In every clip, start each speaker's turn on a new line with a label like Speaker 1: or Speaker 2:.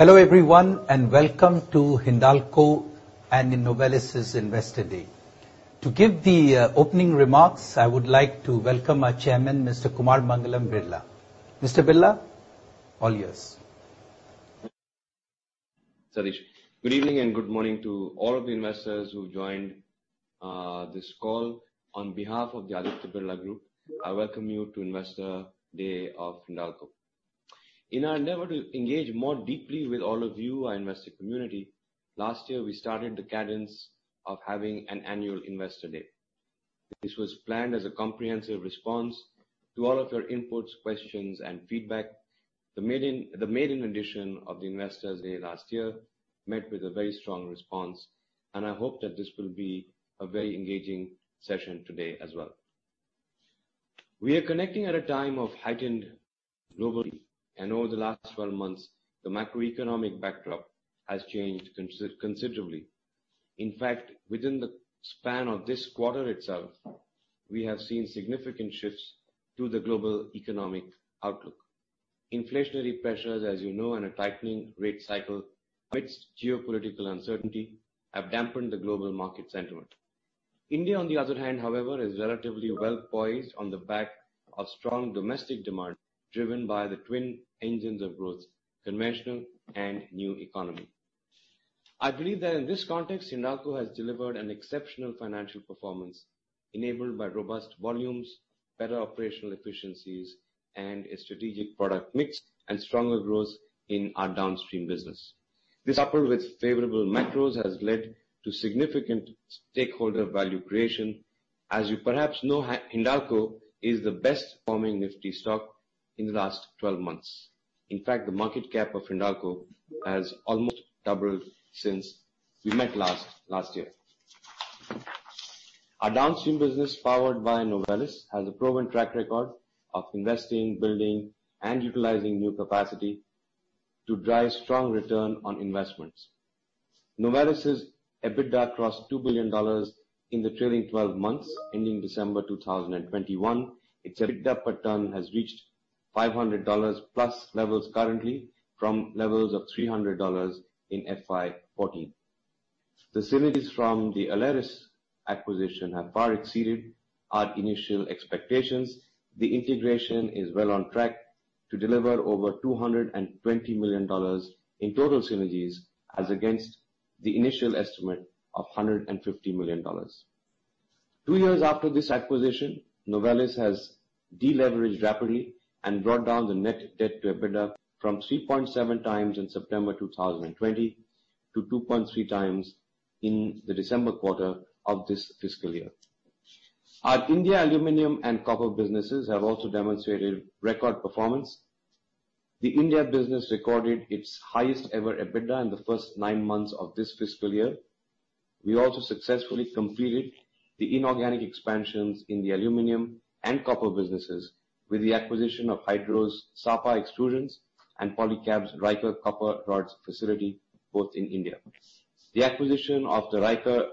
Speaker 1: Hello everyone, and welcome to Hindalco and Novelis' Investor Day. To give the opening remarks, I would like to welcome our chairman, Mr. Kumar Mangalam Birla. Mr. Birla, all yours.
Speaker 2: Satish, good evening and good morning to all of the investors who joined this call. On behalf of the Aditya Birla Group, I welcome you to Investor Day of Hindalco. In our endeavor to engage more deeply with all of you, our investor community, last year we started the cadence of having an annual Investor Day. This was planned as a comprehensive response to all of your inputs, questions, and feedback. The maiden edition of the Investor Day last year met with a very strong response, and I hope that this will be a very engaging session today as well. We are connecting at a time of heightened volatility globally, and over the last 12 months, the macroeconomic backdrop has changed considerably. In fact, within the span of this quarter itself, we have seen significant shifts to the global economic outlook. Inflationary pressures, as you know, and a tightening rate cycle amidst geopolitical uncertainty have dampened the global market sentiment. India, on the other hand, however, is relatively well-poised on the back of strong domestic demand driven by the twin engines of growth, conventional and new economy. I believe that in this context, Hindalco has delivered an exceptional financial performance enabled by robust volumes, better operational efficiencies, and a strategic product mix and stronger growth in our downstream business. This, coupled with favorable macros, has led to significant stakeholder value creation. As you perhaps know, Hindalco is the best performing Nifty stock in the last 12 months. In fact, the market cap of Hindalco has almost doubled since we met last year. Our downstream business, powered by Novelis, has a proven track record of investing, building, and utilizing new capacity to drive strong return on investments. Novelis' EBITDA crossed $2 billion in the trailing twelve months ending December 2021. Its EBITDA per ton has reached $500+ levels currently from levels of $300 in FY 2014. Facilities from the Aleris acquisition have far exceeded our initial expectations. The integration is well on track to deliver over $220 million in total synergies as against the initial estimate of $150 million. Two years after this acquisition, Novelis has deleveraged rapidly and brought down the net debt to EBITDA from 3.7x in September 2020 to 2.3x in the December quarter of this fiscal year. Our India aluminum and copper businesses have also demonstrated record performance. The India business recorded its highest ever EBITDA in the first nine months of this fiscal year. We successfully completed the inorganic expansions in the aluminum and copper businesses with the acquisition of Hydro's Sapa Extrusions and Polycab's Ryker Copper Rods facility, both in India. The acquisition of the Ryker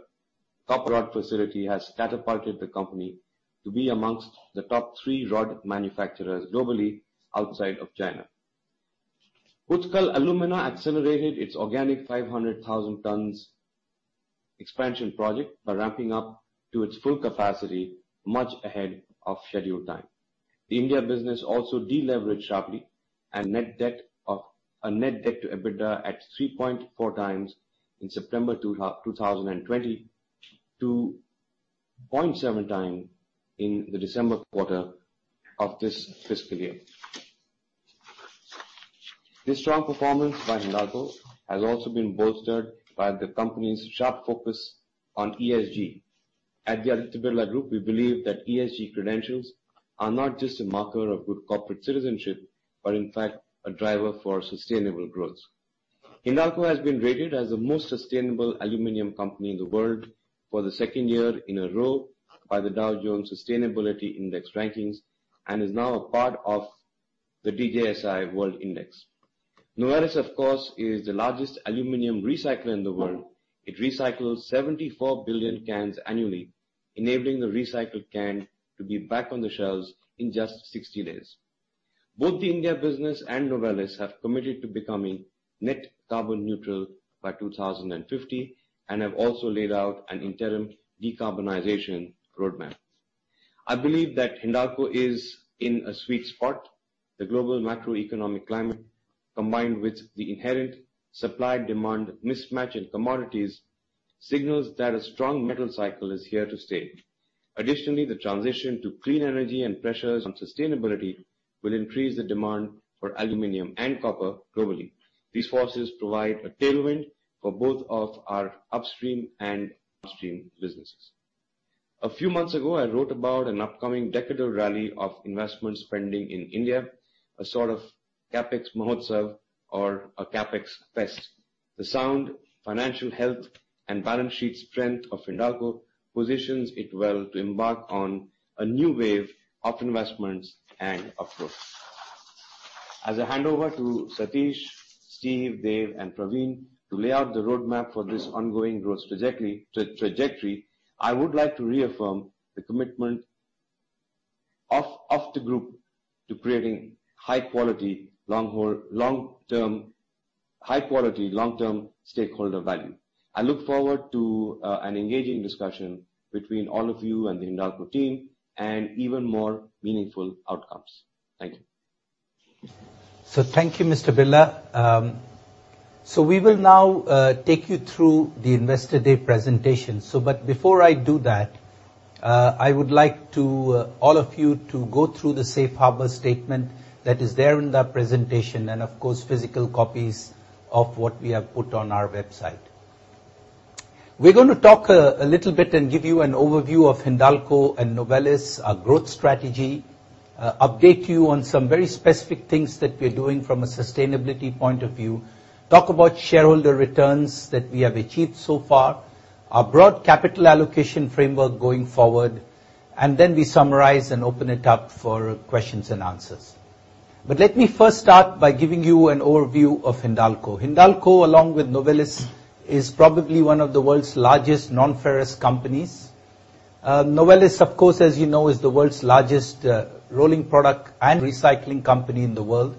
Speaker 2: copper rod facility has catapulted the company to be amongst the top three rod manufacturers globally outside of China. Utkal Alumina accelerated its organic 500,000 tons expansion project by ramping up to its full capacity much ahead of scheduled time. The India business also deleveraged sharply and net debt to EBITDA at 3.4x in September 2020 to 0.7 times in the December quarter of this fiscal year. This strong performance by Hindalco has also been bolstered by the company's sharp focus on ESG. At the Aditya Birla Group, we believe that ESG credentials are not just a marker of good corporate citizenship, but in fact a driver for sustainable growth. Hindalco has been rated as the most sustainable aluminum company in the world for the second year in a row by the Dow Jones Sustainability Index rankings, and is now a part of the DJSI World Index. Novelis, of course, is the largest aluminum recycler in the world. It recycles 74 billion cans annually, enabling the recycled can to be back on the shelves in just 60 days. Both the India business and Novelis have committed to becoming net carbon neutral by 2050, and have also laid out an interim decarbonization roadmap. I believe that Hindalco is in a sweet spot. The global macroeconomic climate, combined with the inherent supply-demand mismatch in commodities, signals that a strong metal cycle is here to stay. Additionally, the transition to clean energy and pressures on sustainability will increase the demand for aluminum and copper globally. These forces provide a tailwind for both of our upstream and downstream businesses. A few months ago, I wrote about an upcoming decadal rally of investment spending in India, a sort of CapEx Mahotsav or a CapEx fest. The sound financial health and balance sheet strength of Hindalco positions it well to embark on a new wave of investments and of growth. As I hand over to Satish, Steve, Dev, and Praveen to lay out the roadmap for this ongoing growth trajectory, I would like to reaffirm the commitment of the group to creating high quality long-term stakeholder value. I look forward to an engaging discussion between all of you and the Hindalco team, and even more meaningful outcomes. Thank you.
Speaker 1: Thank you, Mr. Birla. We will now take you through the Investor Day presentation. Before I do that, I would like all of you to go through the safe harbor statement that is there in that presentation, and of course, physical copies of what we have put on our website. We're gonna talk a little bit and give you an overview of Hindalco and Novelis, our growth strategy, update you on some very specific things that we're doing from a sustainability point of view, talk about shareholder returns that we have achieved so far, our broad capital allocation framework going forward, and then we summarize and open it up for questions and answers. Let me first start by giving you an overview of Hindalco. Hindalco, along with Novelis, is probably one of the world's largest non-ferrous companies. Novelis, of course, as you know, is the world's largest rolling product and recycling company in the world.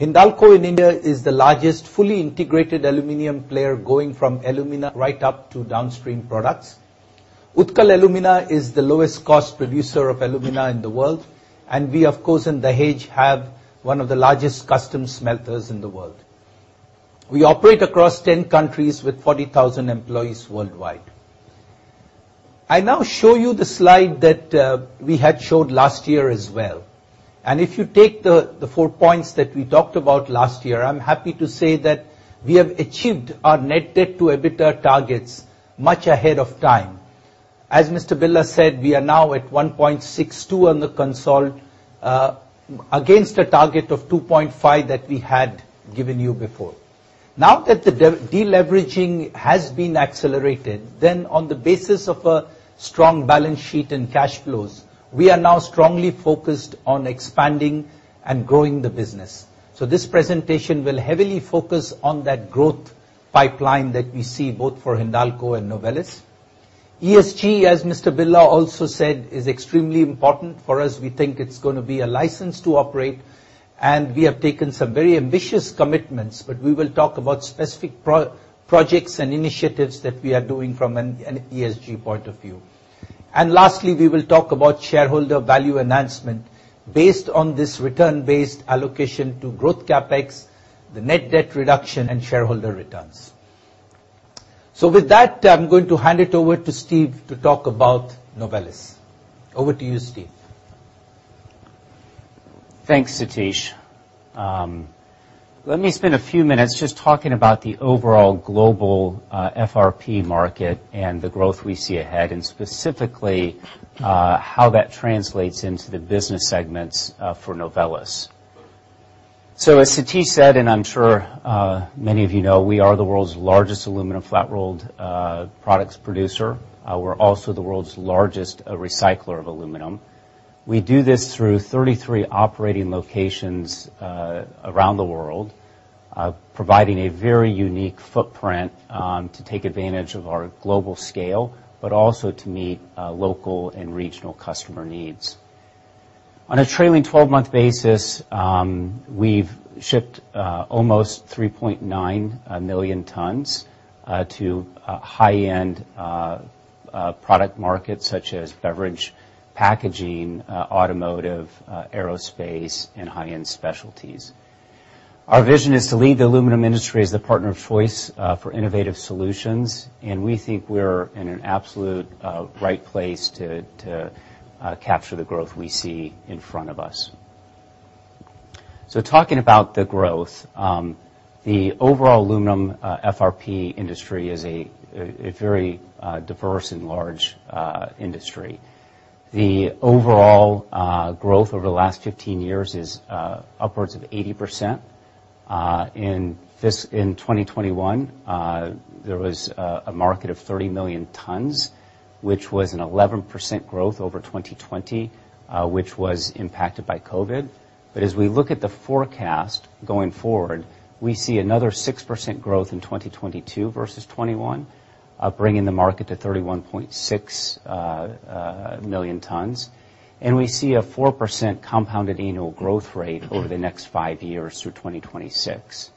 Speaker 1: Hindalco in India is the largest fully integrated aluminum player going from alumina right up to downstream products. Utkal Alumina is the lowest cost producer of alumina in the world, and we, of course, in Dahej have one of the largest custom smelters in the world. We operate across 10 countries with 40,000 employees worldwide. I now show you the slide that we had showed last year as well. If you take the four points that we talked about last year, I'm happy to say that we have achieved our net debt to EBITDA targets much ahead of time. As Mr. Birla said, we are now at 1.62 on the consol against a target of 2.5 that we had given you before. Now that the deleveraging has been accelerated, then on the basis of a strong balance sheet and cash flows, we are now strongly focused on expanding and growing the business. This presentation will heavily focus on that growth pipeline that we see both for Hindalco and Novelis. ESG, as Mr. Birla also said, is extremely important for us. We think it's gonna be a license to operate, and we have taken some very ambitious commitments, but we will talk about specific projects and initiatives that we are doing from an ESG point of view. Lastly, we will talk about shareholder value enhancement based on this return-based allocation to growth CapEx, the net debt reduction, and shareholder returns. With that, I'm going to hand it over to Steve to talk about Novelis. Over to you, Steve.
Speaker 3: Thanks, Satish. Let me spend a few minutes just talking about the overall global FRP market and the growth we see ahead, and specifically, how that translates into the business segments for Novelis. As Satish said, and I'm sure many of you know, we are the world's largest aluminum flat rolled products producer. We're also the world's largest recycler of aluminum. We do this through 33 operating locations around the world, providing a very unique footprint to take advantage of our global scale, but also to meet local and regional customer needs. On a trailing twelve-month basis, we've shipped almost 3.9 million tons to high-end product markets such as beverage packaging, automotive, aerospace, and high-end specialties. Our vision is to lead the aluminum industry as the partner of choice for innovative solutions, and we think we're in an absolute right place to capture the growth we see in front of us. Talking about the growth, the overall aluminum FRP industry is a very diverse and large industry. The overall growth over the last 15 years is upwards of 80%. In 2021, there was a market of 30 million tons, which was an 11% growth over 2020, which was impacted by COVID. As we look at the forecast going forward, we see another 6% growth in 2022 versus 2021, bringing the market to 31.6 million tons. We see a 4% compounded annual growth rate over the next five years through 2026.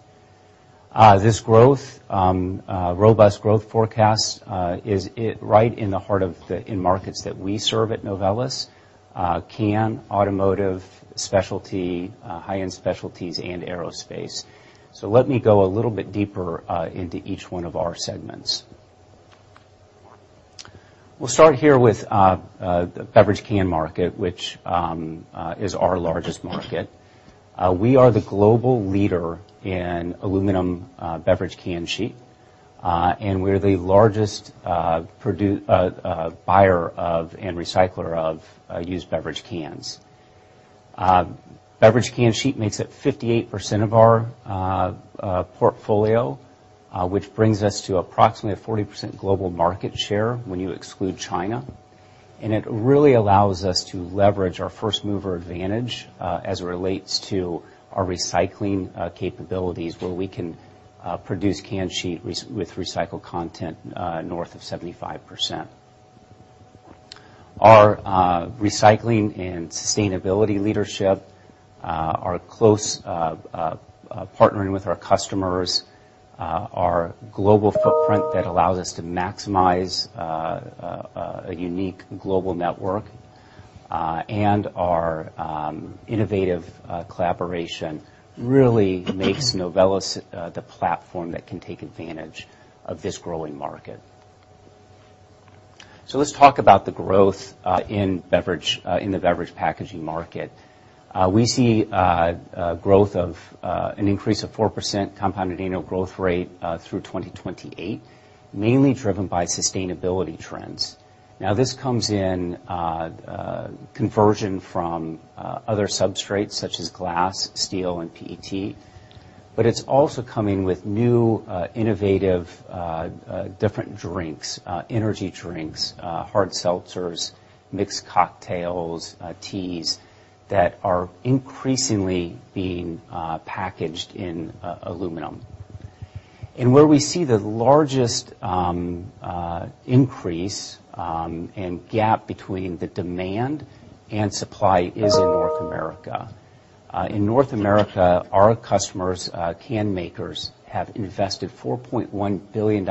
Speaker 3: This growth, robust growth forecast, is right in the heart of the markets that we serve at Novelis, can, automotive, specialty, high-end specialties, and aerospace. Let me go a little bit deeper into each one of our segments. We'll start here with the beverage can market, which is our largest market. We are the global leader in aluminum beverage can sheet, and we're the largest buyer of and recycler of used beverage cans. Beverage can sheet makes up 58% of our portfolio, which brings us to approximately a 40% global market share when you exclude China. It really allows us to leverage our first mover advantage as it relates to our recycling capabilities, where we can produce can sheet with recycled content north of 75%. Our recycling and sustainability leadership are closely partnering with our customers, our global footprint that allows us to maximize a unique global network, and our innovative collaboration really makes Novelis the platform that can take advantage of this growing market. Let's talk about the growth in the beverage packaging market. We see a growth of an increase of 4% compounded annual growth rate through 2028, mainly driven by sustainability trends. Now, this comes in conversion from other substrates such as glass, steel, and PET, but it's also coming with new innovative different drinks, energy drinks, hard seltzers, mixed cocktails, teas that are increasingly being packaged in aluminum. Where we see the largest increase and gap between the demand and supply is in North America. In North America, our customers' can makers have invested $4.1 billion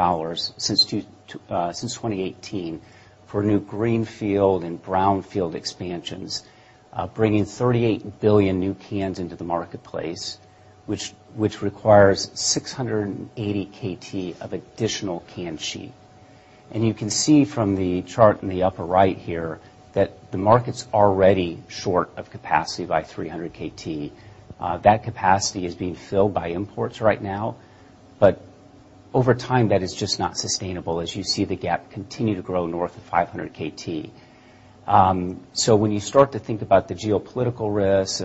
Speaker 3: since 2018 for new greenfield and brownfield expansions, bringing 38 billion new cans into the marketplace, which requires 680 KT of additional can sheet. You can see from the chart in the upper right here that the market's already short of capacity by 300 KT. That capacity is being filled by imports right now, but over time, that is just not sustainable as you see the gap continue to grow north of 500 KT. So when you start to think about the geopolitical risks,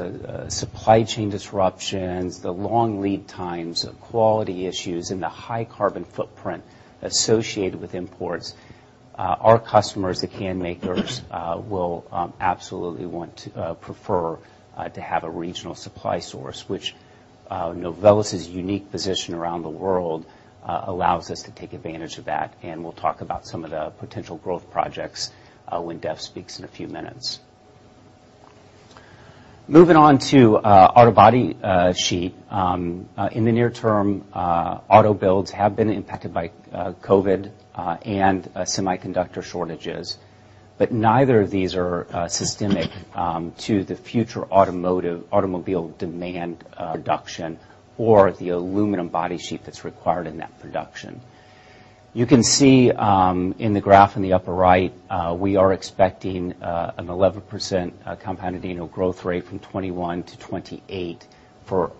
Speaker 3: supply chain disruptions, the long lead times, quality issues, and the high carbon footprint associated with imports, our customers, the can makers, will absolutely prefer to have a regional supply source, which Novelis' unique position around the world allows us to take advantage of that, and we'll talk about some of the potential growth projects when Dev speaks in a few minutes. Moving on to auto body sheet. In the near term, auto builds have been impacted by COVID and semiconductor shortages, but neither of these are systemic to the future automotive automobile demand production or the aluminum body sheet that's required in that production. You can see in the graph in the upper right, we are expecting an 11% compounded annual growth rate from 2021 to 2028 for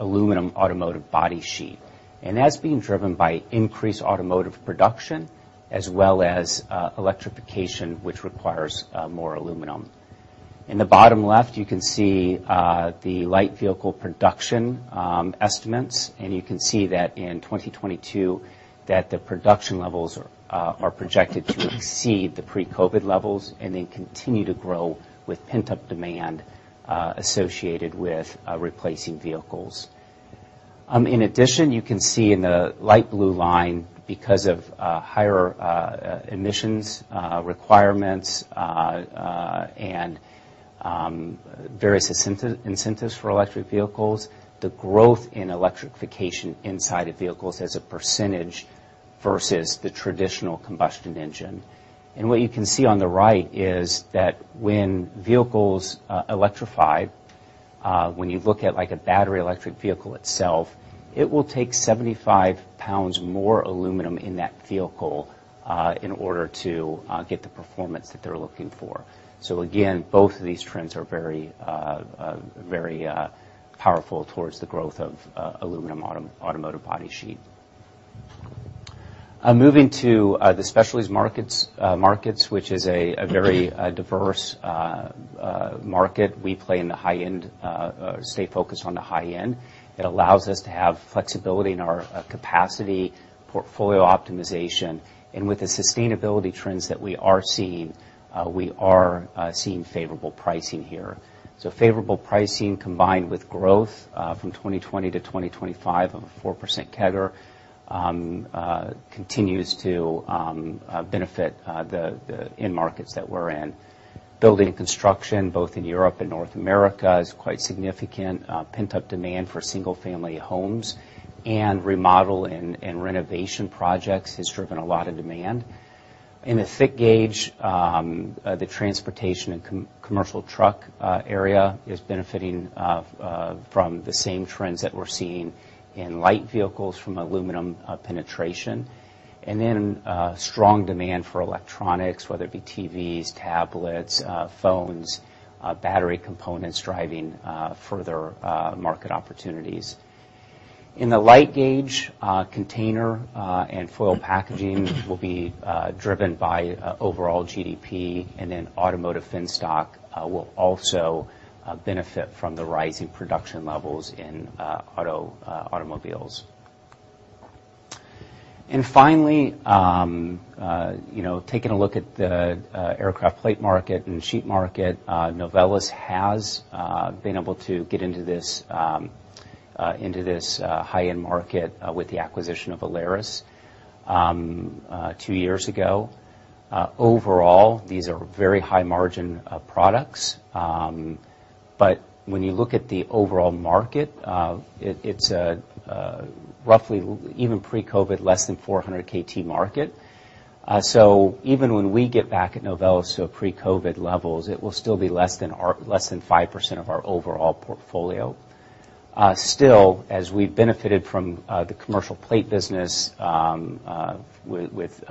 Speaker 3: aluminum automotive body sheet, and that's being driven by increased automotive production as well as electrification, which requires more aluminum. In the bottom left, you can see the light vehicle production estimates, and you can see that in 2022 the production levels are projected to exceed the pre-COVID levels and then continue to grow with pent-up demand associated with replacing vehicles. In addition, you can see in the light blue line because of higher emissions requirements and various incentives for electric vehicles, the growth in electrification inside of vehicles as a percentage versus the traditional combustion engine. What you can see on the right is that when vehicles are electrified, when you look at like a battery electric vehicle itself, it will take 75 lbs more aluminum in that vehicle in order to get the performance that they're looking for. Again, both of these trends are very powerful towards the growth of aluminum automotive body sheet. Moving to the specialties markets, which is a very diverse market. We play in the high end, stay focused on the high end. It allows us to have flexibility in our capacity, portfolio optimization. With the sustainability trends that we are seeing, we are seeing favorable pricing here. Favorable pricing combined with growth from 2020 to 2025 of a 4% CAGR continues to benefit the end markets that we're in. Building and construction, both in Europe and North America, is quite significant. Pent-up demand for single-family homes and remodel and renovation projects has driven a lot of demand. In the thick gauge, the transportation and commercial truck area is benefiting from the same trends that we're seeing in light vehicles from aluminum penetration. Strong demand for electronics, whether it be TVs, tablets, phones, battery components driving further market opportunities. In the light gauge container and foil packaging will be driven by overall GDP, and then automotive fin stock will also benefit from the rising production levels in automobiles. Finally, you know, taking a look at the aircraft plate market and sheet market, Novelis has been able to get into this high-end market with the acquisition of Aleris two years ago. Overall, these are very high margin products. When you look at the overall market, it's a roughly even pre-COVID less than 400 KT market. Even when we get Novelis back to pre-COVID levels, it will still be less than 5% of our overall portfolio. Still, as we benefited from the commercial plate business with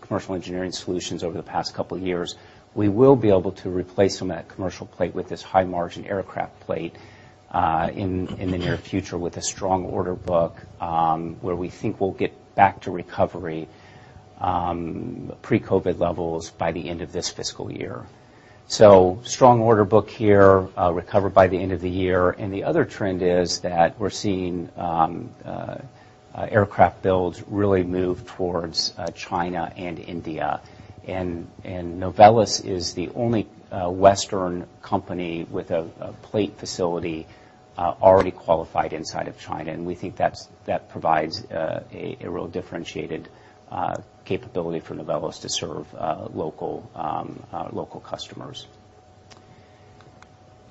Speaker 3: commercial engineering solutions over the past couple of years, we will be able to replace some of that commercial plate with this high-margin aircraft plate in the near future with a strong order book where we think we'll get back to recovery pre-COVID levels by the end of this fiscal year. Strong order book here, recover by the end of the year. The other trend is that we're seeing aircraft builds really move towards China and India. Novelis is the only Western company with a plate facility already qualified inside of China. We think that provides a real differentiated capability for Novelis to serve local customers.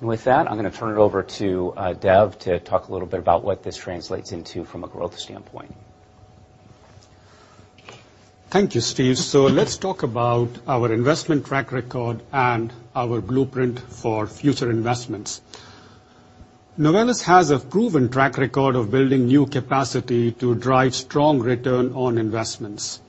Speaker 3: With that, I'm gonna turn it over to Dev to talk a little bit about what this translates into from a growth standpoint.
Speaker 4: Thank you, Steve. Let's talk about our investment track record and our blueprint for future investments. Novelis has a proven track record of building new capacity to drive strong return on investments.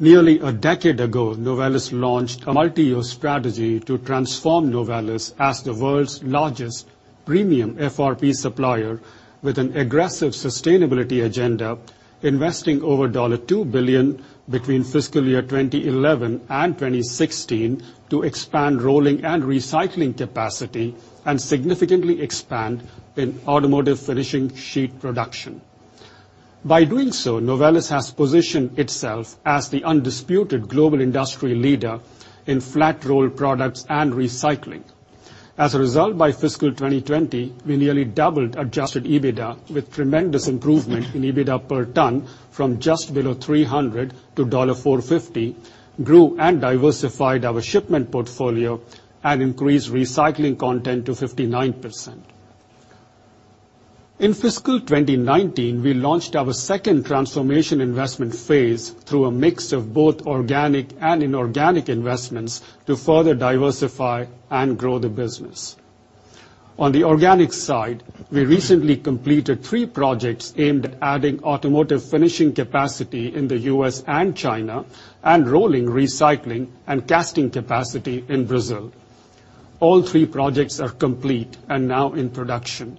Speaker 4: Nearly a decade ago, Novelis launched a multi-year strategy to transform Novelis as the world's largest premium FRP supplier with an aggressive sustainability agenda, investing over $2 billion between fiscal year 2011 and 2016 to expand rolling and recycling capacity and significantly expand in automotive finishing sheet production. By doing so, Novelis has positioned itself as the undisputed global industry leader in flat roll products and recycling. As a result, by fiscal 2020, we nearly doubled adjusted EBITDA with tremendous improvement in EBITDA per ton from just below $300 to $450, grew and diversified our shipment portfolio, and increased recycling content to 59%. In fiscal 2019, we launched our second transformation investment phase through a mix of both organic and inorganic investments to further diversify and grow the business. On the organic side, we recently completed three projects aimed at adding automotive finishing capacity in the U.S. and China and rolling, recycling, and casting capacity in Brazil. All three projects are complete and now in production.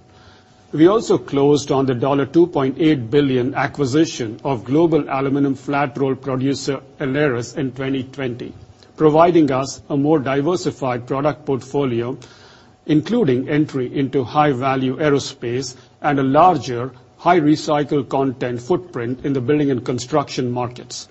Speaker 4: We also closed on the $2.8 billion acquisition of global aluminum flat roll producer Aleris in 2020, providing us a more diversified product portfolio, including entry into high-value aerospace and a larger high recycle content footprint in the building and construction markets.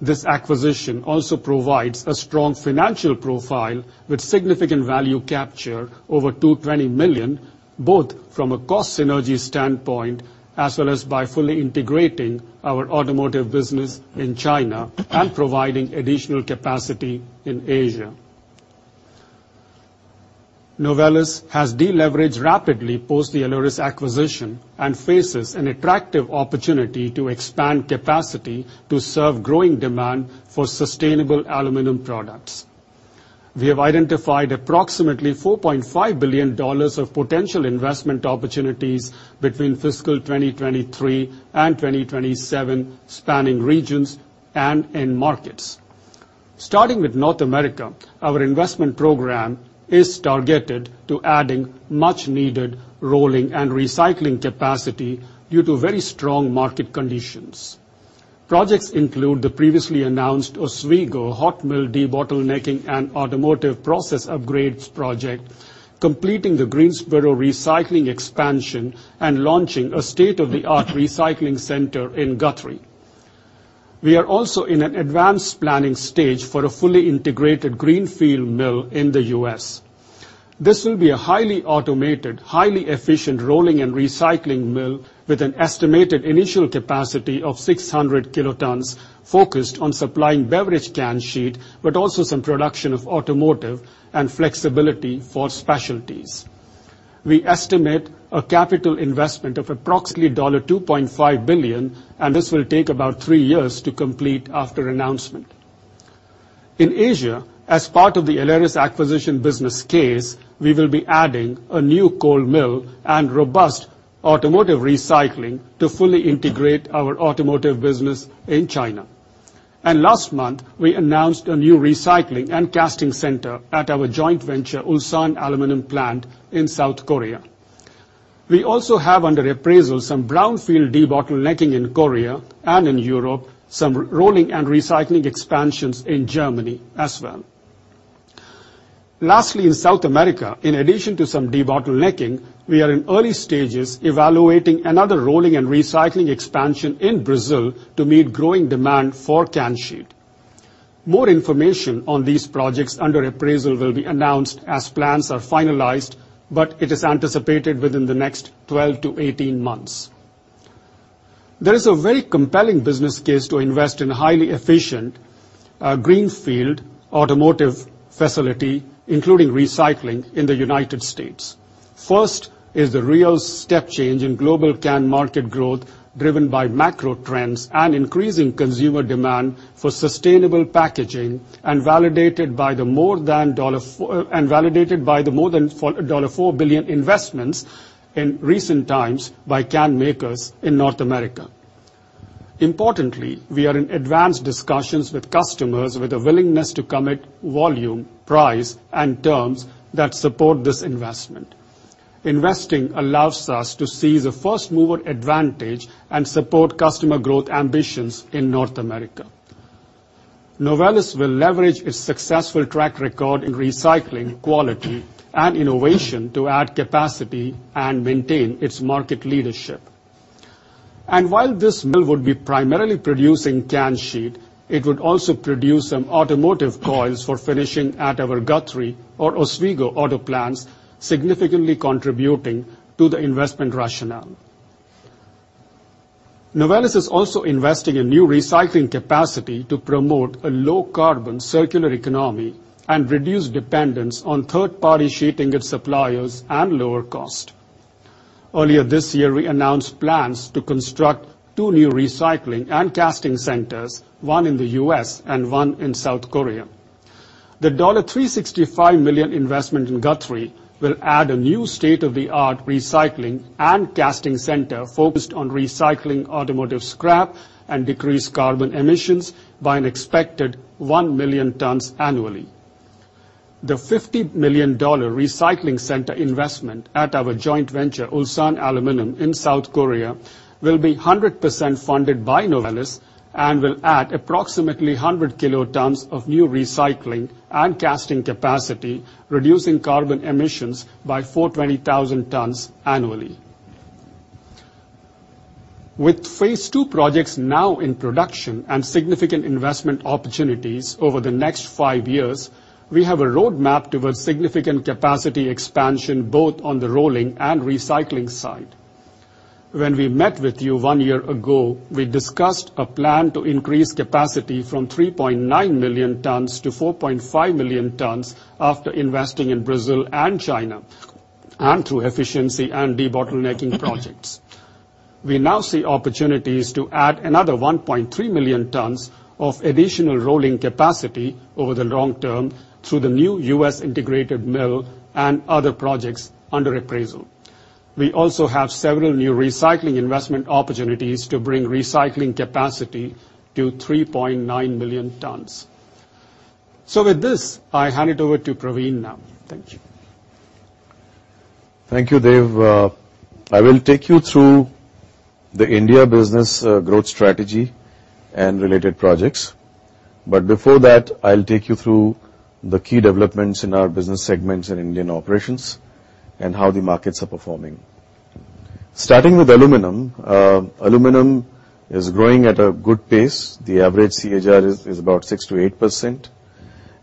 Speaker 4: This acquisition also provides a strong financial profile with significant value capture over $220 million, both from a cost synergy standpoint as well as by fully integrating our automotive business in China and providing additional capacity in Asia. Novelis has deleveraged rapidly post the Aleris acquisition and faces an attractive opportunity to expand capacity to serve growing demand for sustainable aluminum products. We have identified approximately $4.5 billion of potential investment opportunities between fiscal 2023 and 2027, spanning regions and end markets. Starting with North America, our investment program is targeted to adding much-needed rolling and recycling capacity due to very strong market conditions. Projects include the previously announced Oswego hot mill debottlenecking and automotive process upgrades project, completing the Greensboro recycling expansion, and launching a state-of-the-art recycling center in Guthrie. We are also in an advanced planning stage for a fully integrated greenfield mill in the U.S. This will be a highly automated, highly efficient rolling and recycling mill with an estimated initial capacity of 600 kilotons focused on supplying beverage can sheet, but also some production of automotive and flexibility for specialties. We estimate a capital investment of approximately $2.5 billion, and this will take about three years to complete after announcement. In Asia, as part of the Aleris acquisition business case, we will be adding a new cold mill and robust automotive recycling to fully integrate our automotive business in China. Last month, we announced a new recycling and casting center at our joint venture Ulsan Aluminum Plant in South Korea. We also have under appraisal some brownfield debottlenecking in Korea and in Europe, some rolling and recycling expansions in Germany as well. Lastly, in South America, in addition to some debottlenecking, we are in early stages evaluating another rolling and recycling expansion in Brazil to meet growing demand for can sheet. More information on these projects under appraisal will be announced as plans are finalized, but it is anticipated within the next 12-18 months. There is a very compelling business case to invest in highly efficient, greenfield automotive facility, including recycling in the United States. First is the real step change in global can market growth, driven by macro trends and increasing consumer demand for sustainable packaging, and validated by the more than $4 billion investments in recent times by can makers in North America. Importantly, we are in advanced discussions with customers with a willingness to commit volume, price, and terms that support this investment. Investing allows us to seize the first-mover advantage and support customer growth ambitions in North America. Novelis will leverage its successful track record in recycling quality and innovation to add capacity and maintain its market leadership. While this mill would be primarily producing can sheet, it would also produce some automotive coils for finishing at our Guthrie or Oswego auto plants, significantly contributing to the investment rationale. Novelis is also investing in new recycling capacity to promote a low-carbon circular economy and reduce dependence on third-party suppliers and lower costs. Earlier this year, we announced plans to construct two new recycling and casting centers, one in the U.S. and one in South Korea. The $365 million investment in Guthrie will add a new state-of-the-art recycling and casting center focused on recycling automotive scrap and decrease carbon emissions by an expected one million tons annually. The $50 million recycling center investment at our joint venture, Ulsan Aluminum in South Korea, will be 100% funded by Novelis and will add approximately 100 kilotons of new recycling and casting capacity, reducing carbon emissions by 420,000 tons annually. With phase two projects now in production and significant investment opportunities over the next five years, we have a roadmap towards significant capacity expansion, both on the rolling and recycling side. When we met with you one year ago, we discussed a plan to increase capacity from 3.9 million tons to 4.5 million tons after investing in Brazil and China, and through efficiency and debottlenecking projects. We now see opportunities to add another 1.3 million tons of additional rolling capacity over the long term through the new U.S. integrated mill and other projects under appraisal. We also have several new recycling investment opportunities to bring recycling capacity to 3.9 million tons. With this, I hand it over to Praveen now. Thank you.
Speaker 5: Thank you, Dev. I will take you through the India business, growth strategy and related projects. Before that, I'll take you through the key developments in our business segments in Indian operations and how the markets are performing. Starting with aluminum is growing at a good pace. The average CAGR is about 6%-8%,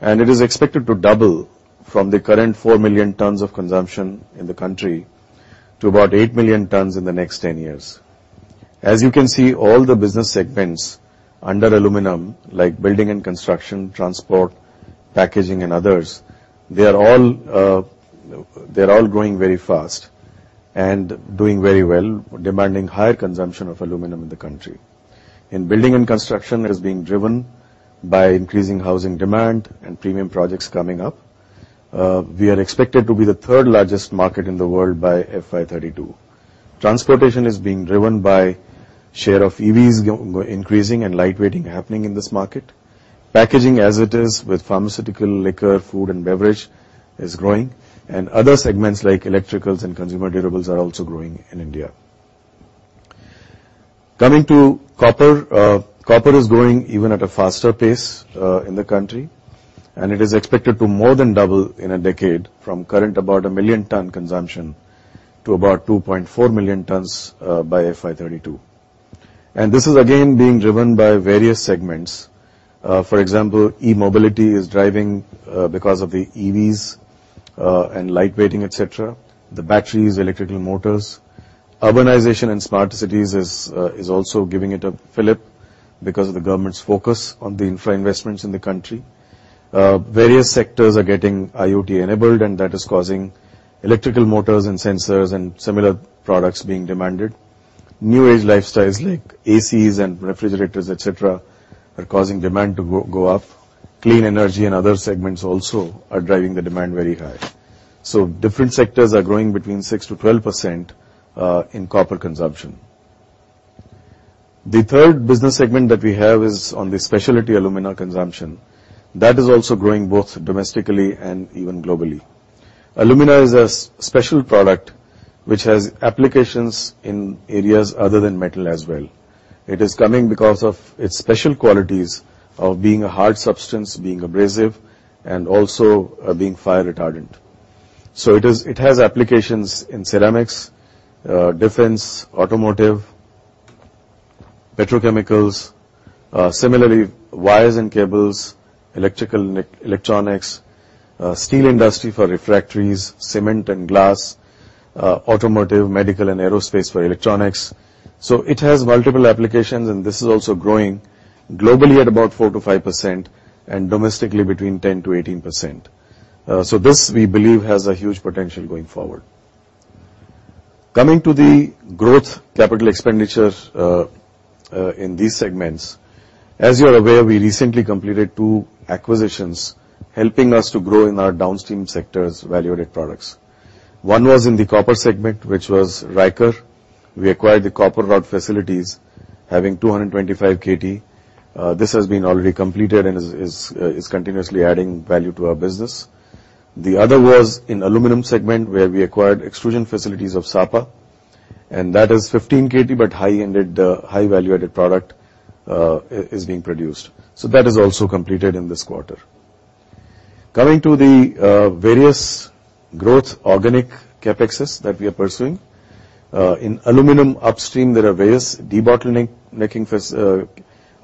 Speaker 5: and it is expected to double from the current four million tons of consumption in the country to about eight million tons in the next 10 years. As you can see, all the business segments under aluminum, like building and construction, transport, packaging and others, they are all, they're all growing very fast and doing very well, demanding higher consumption of aluminum in the country. In building and construction, it is being driven by increasing housing demand and premium projects coming up. We are expected to be the third largest market in the world by FY 2032. Transportation is being driven by share of EVs increasing and light weighting happening in this market. Packaging as it is with pharmaceutical, liquor, food, and beverage is growing. Other segments like electricals and consumer durables are also growing in India. Coming to copper is growing even at a faster pace in the country, and it is expected to more than double in a decade from current about 1 million ton consumption to about 2.4 million tons by FY 2032. This is again being driven by various segments. For example, e-mobility is driving because of the EVs and light weighting, et cetera. The batteries, electrical motors. Urbanization and smart cities is also giving it a fillip because of the government's focus on the infra investments in the country. Various sectors are getting IoT-enabled, and that is causing electrical motors and sensors and similar products being demanded. New-age lifestyles like ACs and refrigerators, et cetera, are causing demand to go up. Clean energy and other segments also are driving the demand very high. Different sectors are growing between 6%-12% in copper consumption. The third business segment that we have is on the specialty alumina consumption. That is also growing both domestically and even globally. Alumina is a special product which has applications in areas other than metal as well. It is coming because of its special qualities of being a hard substance, being abrasive, and also being fire retardant. It has applications in ceramics, defense, automotive, petrochemicals, similarly, wires and cables, electrical and electronics, steel industry for refractories, cement and glass, automotive, medical, and aerospace for electronics. It has multiple applications, and this is also growing globally at about 4%-5%, and domestically between 10%-18%. This, we believe, has a huge potential going forward. Coming to the growth capital expenditures in these segments. As you're aware, we recently completed two acquisitions helping us to grow in our downstream sectors value-added products. One was in the copper segment, which was Ryker. We acquired the copper rod facilities having 225 KT. This has been already completed and is continuously adding value to our business. The other was in aluminum segment, where we acquired extrusion facilities of Sapa, and that is 15 KT, but high-end, high value-added product is being produced. That is also completed in this quarter. Coming to the various growth organic CapExes that we are pursuing. In aluminum upstream, there are various debottlenecking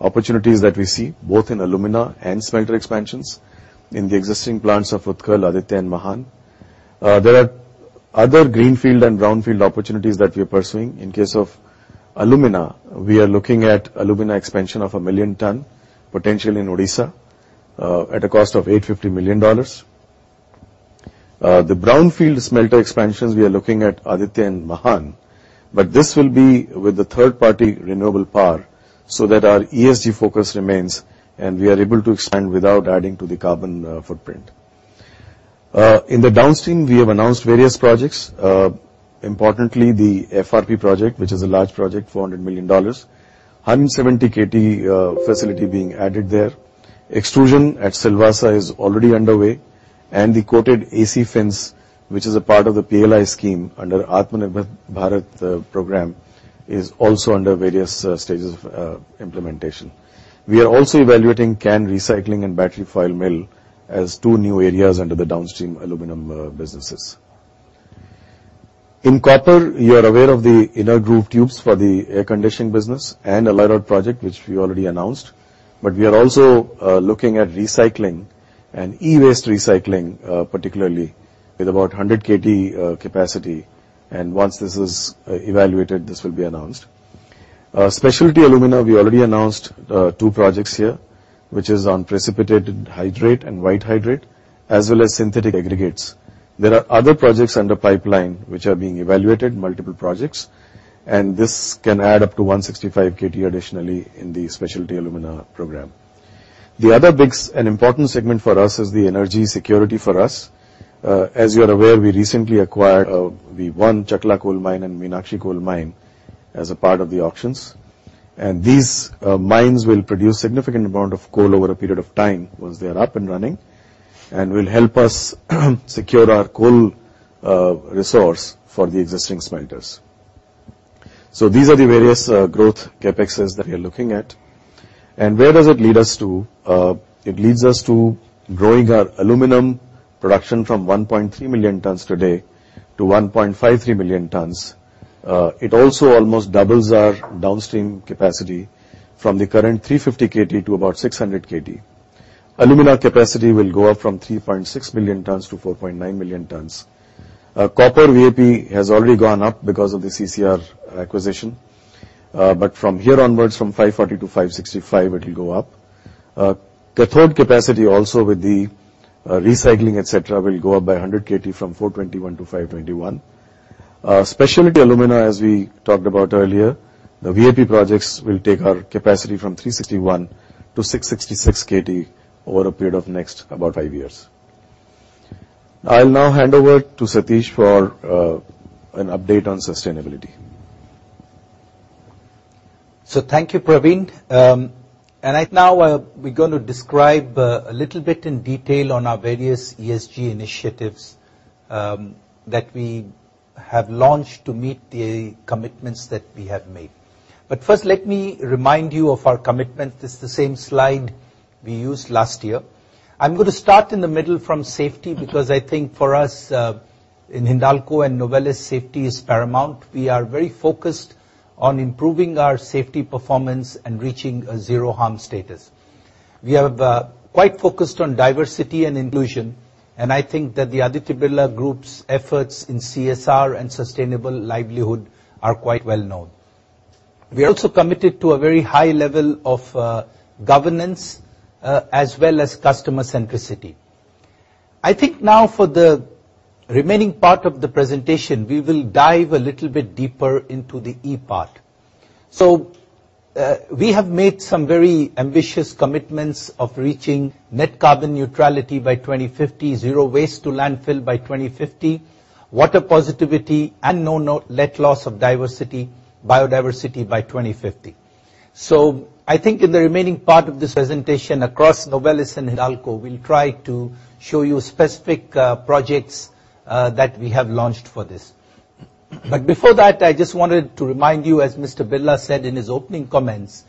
Speaker 5: opportunities that we see both in alumina and smelter expansions in the existing plants of Utkal, Aditya and Mahan. There are other greenfield and brownfield opportunities that we are pursuing. In case of alumina, we are looking at alumina expansion of 1 million ton, potentially in Odisha, at a cost of $850 million. The brownfield smelter expansions we are looking at Aditya and Mahan, but this will be with the third party renewable power, so that our ESG focus remains, and we are able to expand without adding to the carbon footprint. In the downstream, we have announced various projects, importantly the FRP project, which is a large project, $400 million. 170 KT facility being added there. Extrusion at Silvassa is already underway, and the coated AC fin stock, which is a part of the PLI scheme under Atmanirbhar Bharat program, is also under various stages of implementation. We are also evaluating can recycling and battery foil mill as two new areas under the downstream aluminum businesses. In copper, you are aware of the inner grooved tubes for the air conditioning business and a Litz rod project which we already announced, but we are also looking at recycling and e-waste recycling, particularly with about 100 KT capacity, and once this is evaluated, this will be announced. Specialty alumina, we already announced two projects here, which is on Precipitated Hydrate and white hydrate, as well as synthetic aggregates. There are other projects under pipeline which are being evaluated, multiple projects, and this can add up to 165 KT additionally in the specialty alumina program. The other big and important segment for us is the energy security for us. As you are aware, we recently acquired, we won Chakla coal mine and Meenakshi coal mine as a part of the auctions. These mines will produce significant amount of coal over a period of time once they are up and running, and will help us secure our coal resource for the existing smelters. These are the various growth CapExes that we are looking at. Where does it lead us to? It leads us to growing our aluminum production from 1.3 million tons today to 1.53 million tons. It also almost doubles our downstream capacity from the current 350 KT to about 600 KT. Alumina capacity will go up from 3.6 million tons to 4.9 million tons. Our copper VAP has already gone up because of the CCR acquisition, but from here onwards, from 540 to 565, it will go up. Cathode capacity also with the recycling, et cetera, will go up by 100 KT from 421 to 521. Specialty alumina, as we talked about earlier, the VAP projects will take our capacity from 361 to 666 KT over a period of next about five years. I'll now hand over to Satish for an update on sustainability.
Speaker 1: Thank you, Praveen. Right now, we're gonna describe a little bit in detail on our various ESG initiatives that we have launched to meet the commitments that we have made. First, let me remind you of our commitment. This is the same slide we used last year. I'm gonna start in the middle from safety, because I think for us, in Hindalco and Novelis, safety is paramount. We are very focused on improving our safety performance and reaching a zero-harm status. We are quite focused on diversity and inclusion, and I think that the Aditya Birla Group's efforts in CSR and sustainable livelihood are quite well known. We are also committed to a very high level of governance as well as customer centricity. I think now for the remaining part of the presentation, we will dive a little bit deeper into the E part. We have made some very ambitious commitments of reaching net carbon neutrality by 2050, zero waste to landfill by 2050, water positivity and no net loss of biodiversity by 2050. I think in the remaining part of this presentation across Novelis and Hindalco, we'll try to show you specific projects that we have launched for this. But before that, I just wanted to remind you, as Mr. Birla said in his opening comments,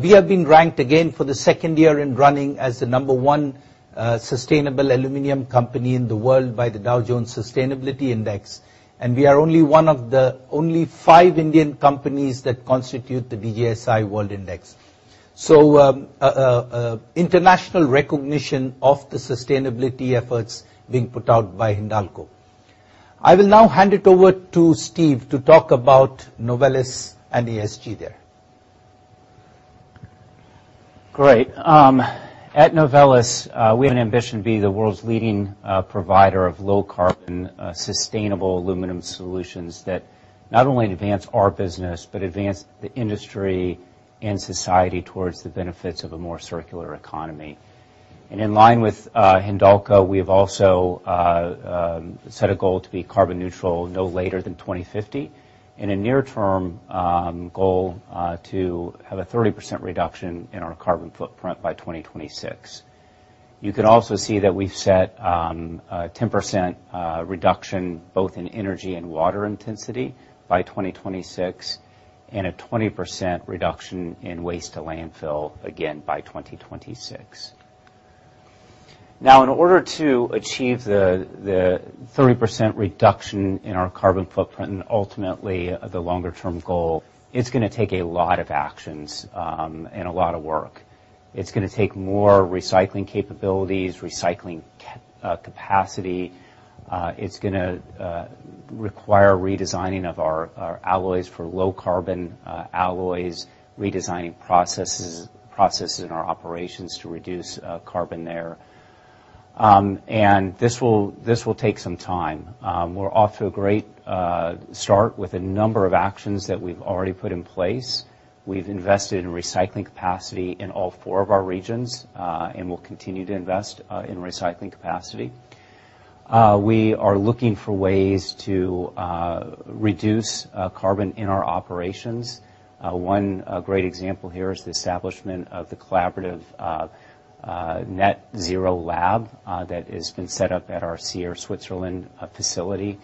Speaker 1: we have been ranked again for the second year running as the number one sustainable aluminum company in the world by the Dow Jones Sustainability Indices. We are only one of the only five Indian companies that constitute the DJSI World Index. International recognition of the sustainability efforts being put out by Hindalco. I will now hand it over to Steve to talk about Novelis and ESG there.
Speaker 3: Great. At Novelis, we have an ambition to be the world's leading provider of low-carbon sustainable aluminum solutions that not only advance our business, but advance the industry and society towards the benefits of a more circular economy. In line with Hindalco, we have also set a goal to be carbon neutral no later than 2050, and a near-term goal to have a 30% reduction in our carbon footprint by 2026. You can also see that we've set a 10% reduction both in energy and water intensity by 2026, and a 20% reduction in waste to landfill again by 2026. Now, in order to achieve the 30% reduction in our carbon footprint and ultimately the longer-term goal, it's gonna take a lot of actions, and a lot of work. It's gonna take more recycling capabilities, capacity. It's gonna require redesigning of our alloys for low-carbon alloys, redesigning processes in our operations to reduce carbon there. This will take some time. We're off to a great start with a number of actions that we've already put in place. We've invested in recycling capacity in all four of our regions, and will continue to invest in recycling capacity. We are looking for ways to reduce carbon in our operations. One great example here is the establishment of the collaborative Net Zero Lab that has been set up at our Sierre, Switzerland facility.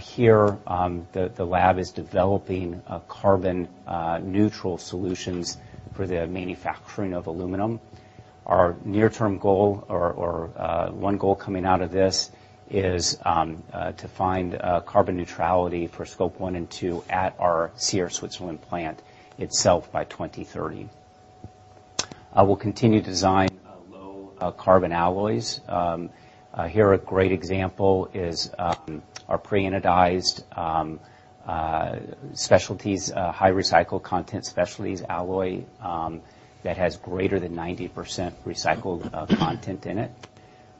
Speaker 3: Here, the lab is developing carbon neutral solutions for the manufacturing of aluminum. Our near-term goal or one goal coming out of this is to find carbon neutrality for Scope 1 and 2 at our Sierre, Switzerland plant itself by 2030. We'll continue to design low carbon alloys. Here a great example is our pre-anodized specialties high recycled content specialties alloy that has greater than 90% recycled content in it.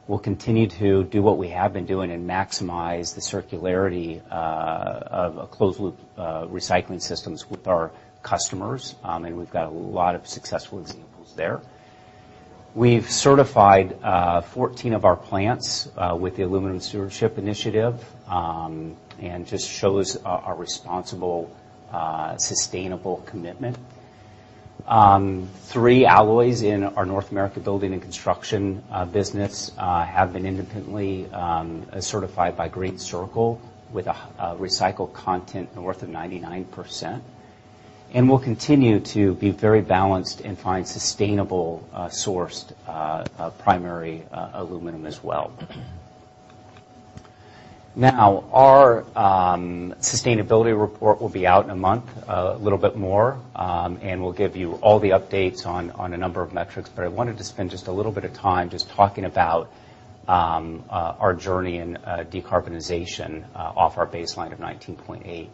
Speaker 3: We'll continue to do what we have been doing and maximize the circularity of a closed loop recycling systems with our customers. We've got a lot of successful examples there. We've certified 14 of our plants with the Aluminum Stewardship Initiative, and just shows our responsible sustainable commitment. Three alloys in our North America building and construction business have been independently certified by GreenCircle with a recycled content north of 99%. We'll continue to be very balanced and find sustainable sourced primary aluminum as well. Now, our sustainability report will be out in a month, a little bit more, and we'll give you all the updates on a number of metrics. I wanted to spend just a little bit of time just talking about our journey in decarbonization off our baseline of 19.8.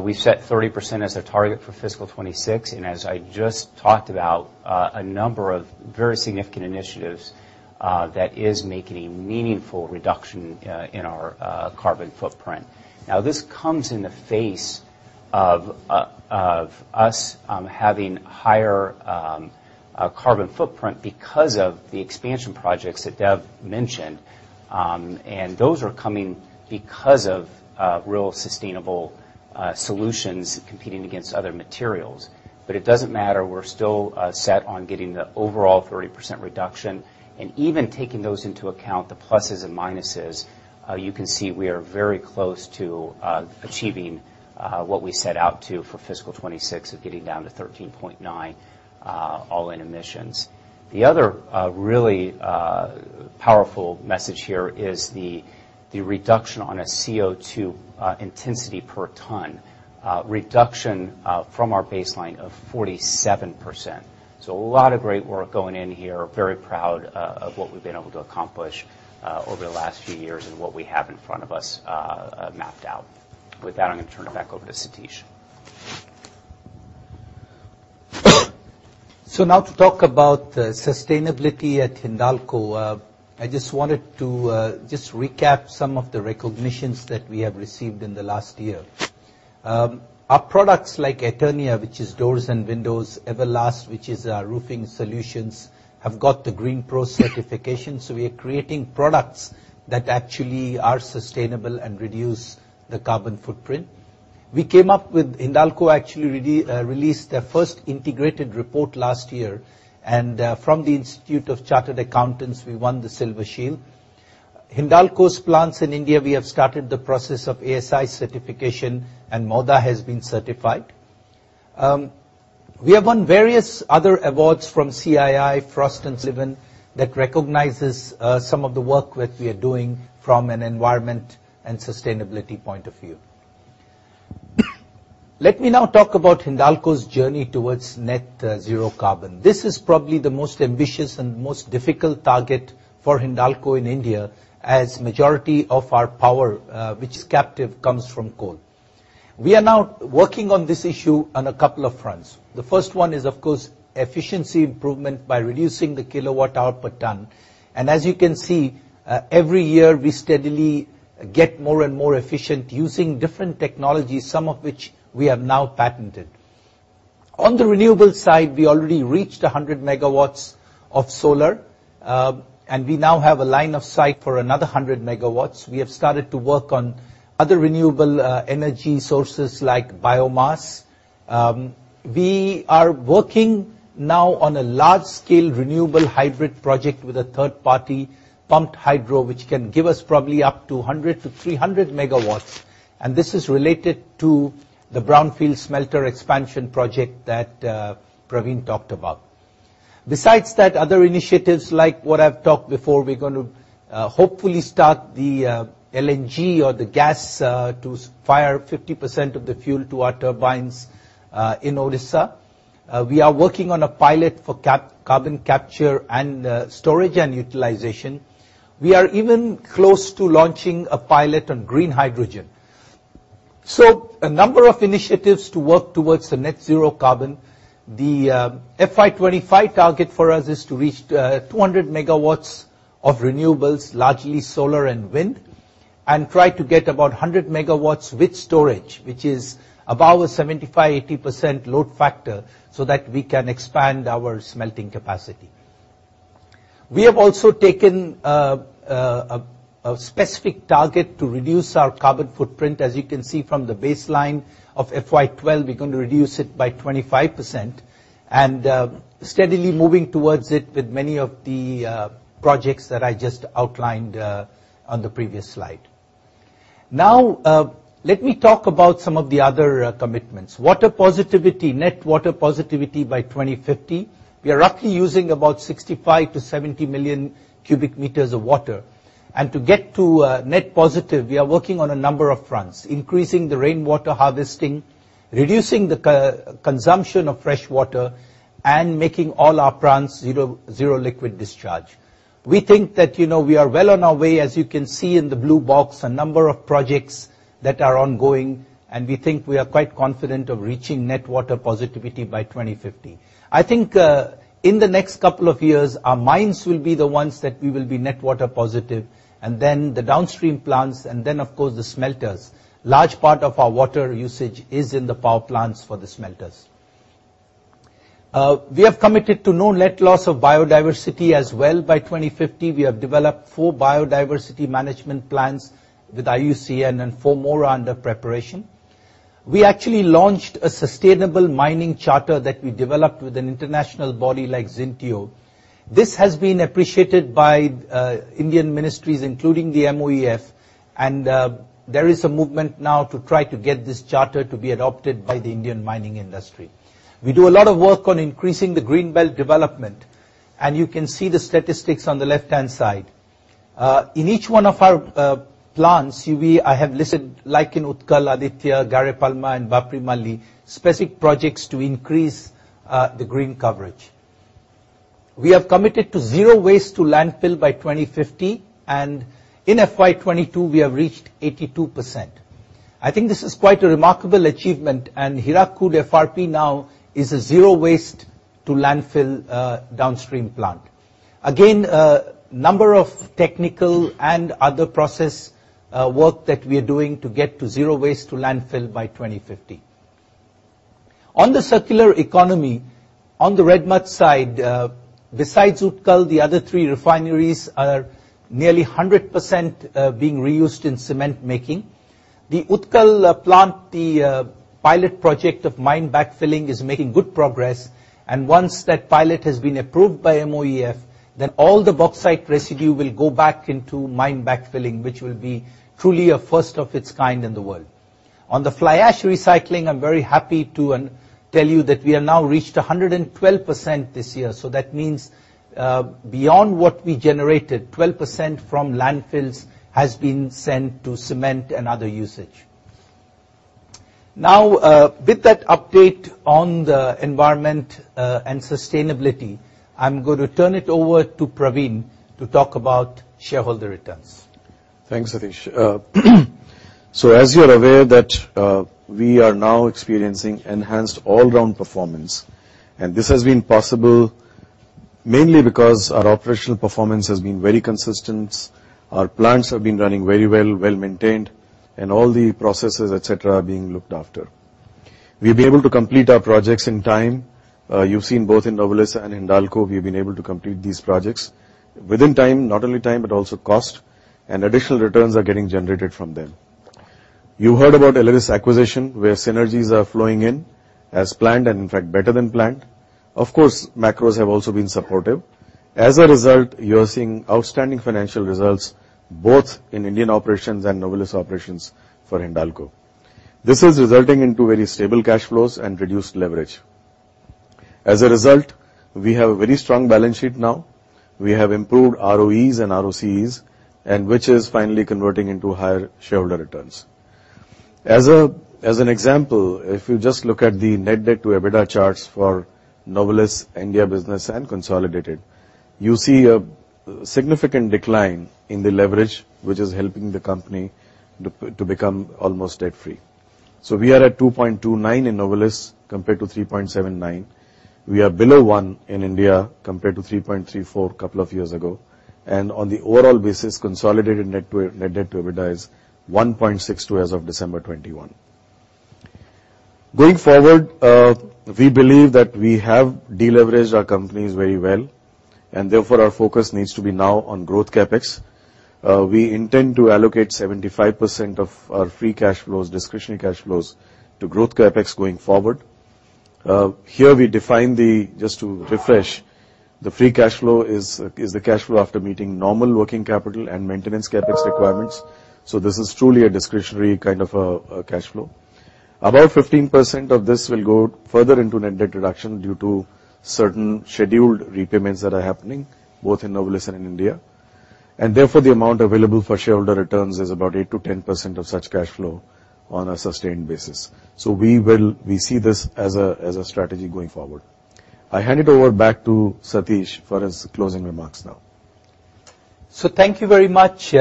Speaker 3: We've set 30% as our target for FY 2026, and as I just talked about, a number of very significant initiatives that is making a meaningful reduction in our carbon footprint. Now, this comes in the face of of us having higher carbon footprint because of the expansion projects that Dev mentioned. Those are coming because of real sustainable solutions competing against other materials. It doesn't matter, we're still set on getting the overall 30% reduction. Even taking those into account, the pluses and minuses, you can see we are very close to achieving what we set out to for FY 2026 of getting down to 13.9 all-in emissions. The other really powerful message here is the reduction on a CO2 intensity per ton reduction from our baseline of 47%. A lot of great work going in here. Very proud of what we've been able to accomplish over the last few years and what we have in front of us mapped out. With that, I'm gonna turn it back over to Satish.
Speaker 1: Now to talk about sustainability at Hindalco, I just wanted to just recap some of the recognitions that we have received in the last year. Our products like Eternia, which is doors and windows, Everlast, which is our roofing solutions, have got the GreenPro certification. We are creating products that actually are sustainable and reduce the carbon footprint. Hindalco actually released their first integrated report last year. From the Institute of Chartered Accountants, we won the Silver Shield. Hindalco's plants in India, we have started the process of ASI certification, and Mouda has been certified. We have won various other awards from CII, Frost & Sullivan, that recognizes some of the work that we are doing from an environment and sustainability point of view. Let me now talk about Hindalco's journey towards net zero carbon. This is probably the most ambitious and most difficult target for Hindalco in India, as majority of our power, which is captive, comes from coal. We are now working on this issue on a couple of fronts. The first one is, of course, efficiency improvement by reducing the kilowatt hour per ton. As you can see, every year we steadily get more and more efficient using different technologies, some of which we have now patented. On the renewable side, we already reached 100 MW of solar. We now have a line of sight for another 100 MW. We have started to work on other renewable energy sources like biomass. We are working now on a large scale renewable hybrid project with a third party, pumped hydro, which can give us probably up to 100 MW-300 MW, and this is related to the brownfield smelter expansion project that Praveen talked about. Besides that, other initiatives like what I've talked before, we're gonna hopefully start the LNG or the gas to fire 50% of the fuel to our turbines in Odisha. We are working on a pilot for carbon capture and storage and utilization. We are even close to launching a pilot on green hydrogen. A number of initiatives to work towards the net zero carbon. The FY 2025 target for us is to reach 200 MW of renewables, largely solar and wind, and try to get about 100 MW with storage, which is above a 75%-80% load factor, so that we can expand our smelting capacity. We have also taken a specific target to reduce our carbon footprint. As you can see from the baseline of FY 2012, we're gonna reduce it by 25% and steadily moving towards it with many of the projects that I just outlined on the previous slide. Now, let me talk about some of the other commitments. Water positivity, net water positivity by 2050. We are roughly using about 65-70 million cu m of water. To get to net positive, we are working on a number of fronts: increasing the rainwater harvesting, reducing the consumption of fresh water, and making all our plants zero liquid discharge. We think that, you know, we are well on our way. As you can see in the blue box, a number of projects that are ongoing, and we think we are quite confident of reaching net water positivity by 2050. I think in the next couple of years, our mines will be the ones that we will be net water positive, and then the downstream plants, and then, of course, the smelters. Large part of our water usage is in the power plants for the smelters. We have committed to no net loss of biodiversity as well by 2050. We have developed four biodiversity management plans with IUCN and four more are under preparation. We actually launched a sustainable mining charter that we developed with an international body like Zinteo. This has been appreciated by Indian ministries, including the MoEF, and there is a movement now to try to get this charter to be adopted by the Indian mining industry. We do a lot of work on increasing the green belt development, and you can see the statistics on the left-hand side. In each one of our plants, I have listed, like in Utkal, Aditya, Garepalma, and Baphlimali, specific projects to increase the green coverage. We have committed to zero waste to landfill by 2050, and in FY 2022, we have reached 82%. I think this is quite a remarkable achievement, and Hirakud FRP now is a zero waste to landfill downstream plant. Again, a number of technical and other process work that we are doing to get to zero waste to landfill by 2050. On the circular economy, on the red mud side, besides Utkal, the other three refineries are nearly 100% being reused in cement making. The Utkal plant, the pilot project of mine backfilling is making good progress, and once that pilot has been approved by MoEF, then all the bauxite residue will go back into mine backfilling, which will be truly a first of its kind in the world. On the fly ash recycling, I'm very happy to tell you that we have now reached 112% this year. That means, beyond what we generated, 12% from landfills has been sent to cement and other usage. Now, with that update on the environment and sustainability, I'm going to turn it over to Praveen to talk about shareholder returns.
Speaker 5: Thanks, Satish. So as you're aware that we are now experiencing enhanced all-round performance. This has been possible mainly because our operational performance has been very consistent, our plants have been running very well, well-maintained, and all the processes, et cetera, are being looked after. We'll be able to complete our projects in time. You've seen both in Novelis and Hindalco, we've been able to complete these projects within time, not only time, but also cost, and additional returns are getting generated from them. You heard about Aleris acquisition, where synergies are flowing in as planned and in fact better than planned. Of course, macros have also been supportive. As a result, you are seeing outstanding financial results both in Indian operations and Novelis operations for Hindalco. This is resulting into very stable cash flows and reduced leverage. As a result, we have a very strong balance sheet now. We have improved ROEs and ROCs, which is finally converting into higher shareholder returns. As an example, if you just look at the net debt to EBITDA charts for Novelis India business and consolidated, you see a significant decline in the leverage, which is helping the company to become almost debt-free. We are at 2.29 in Novelis compared to 3.79. We are below 1 in India compared to 3.34 couple of years ago. On the overall basis, consolidated net debt to EBITDA is 1.62 as of December 2021. Going forward, we believe that we have de-leveraged our companies very well and therefore our focus needs to be now on growth CapEx. We intend to allocate 75% of our free cash flows, discretionary cash flows to growth CapEx going forward. Here we define the free cash flow. Just to refresh, the free cash flow is the cash flow after meeting normal working capital and maintenance CapEx requirements. This is truly a discretionary kind of a cash flow. About 15% of this will go further into net debt reduction due to certain scheduled repayments that are happening both in Novelis and in India. Therefore, the amount available for shareholder returns is about 8%-10% of such cash flow on a sustained basis. We see this as a strategy going forward. I hand it over back to Satish for his closing remarks now.
Speaker 1: Thank you very much.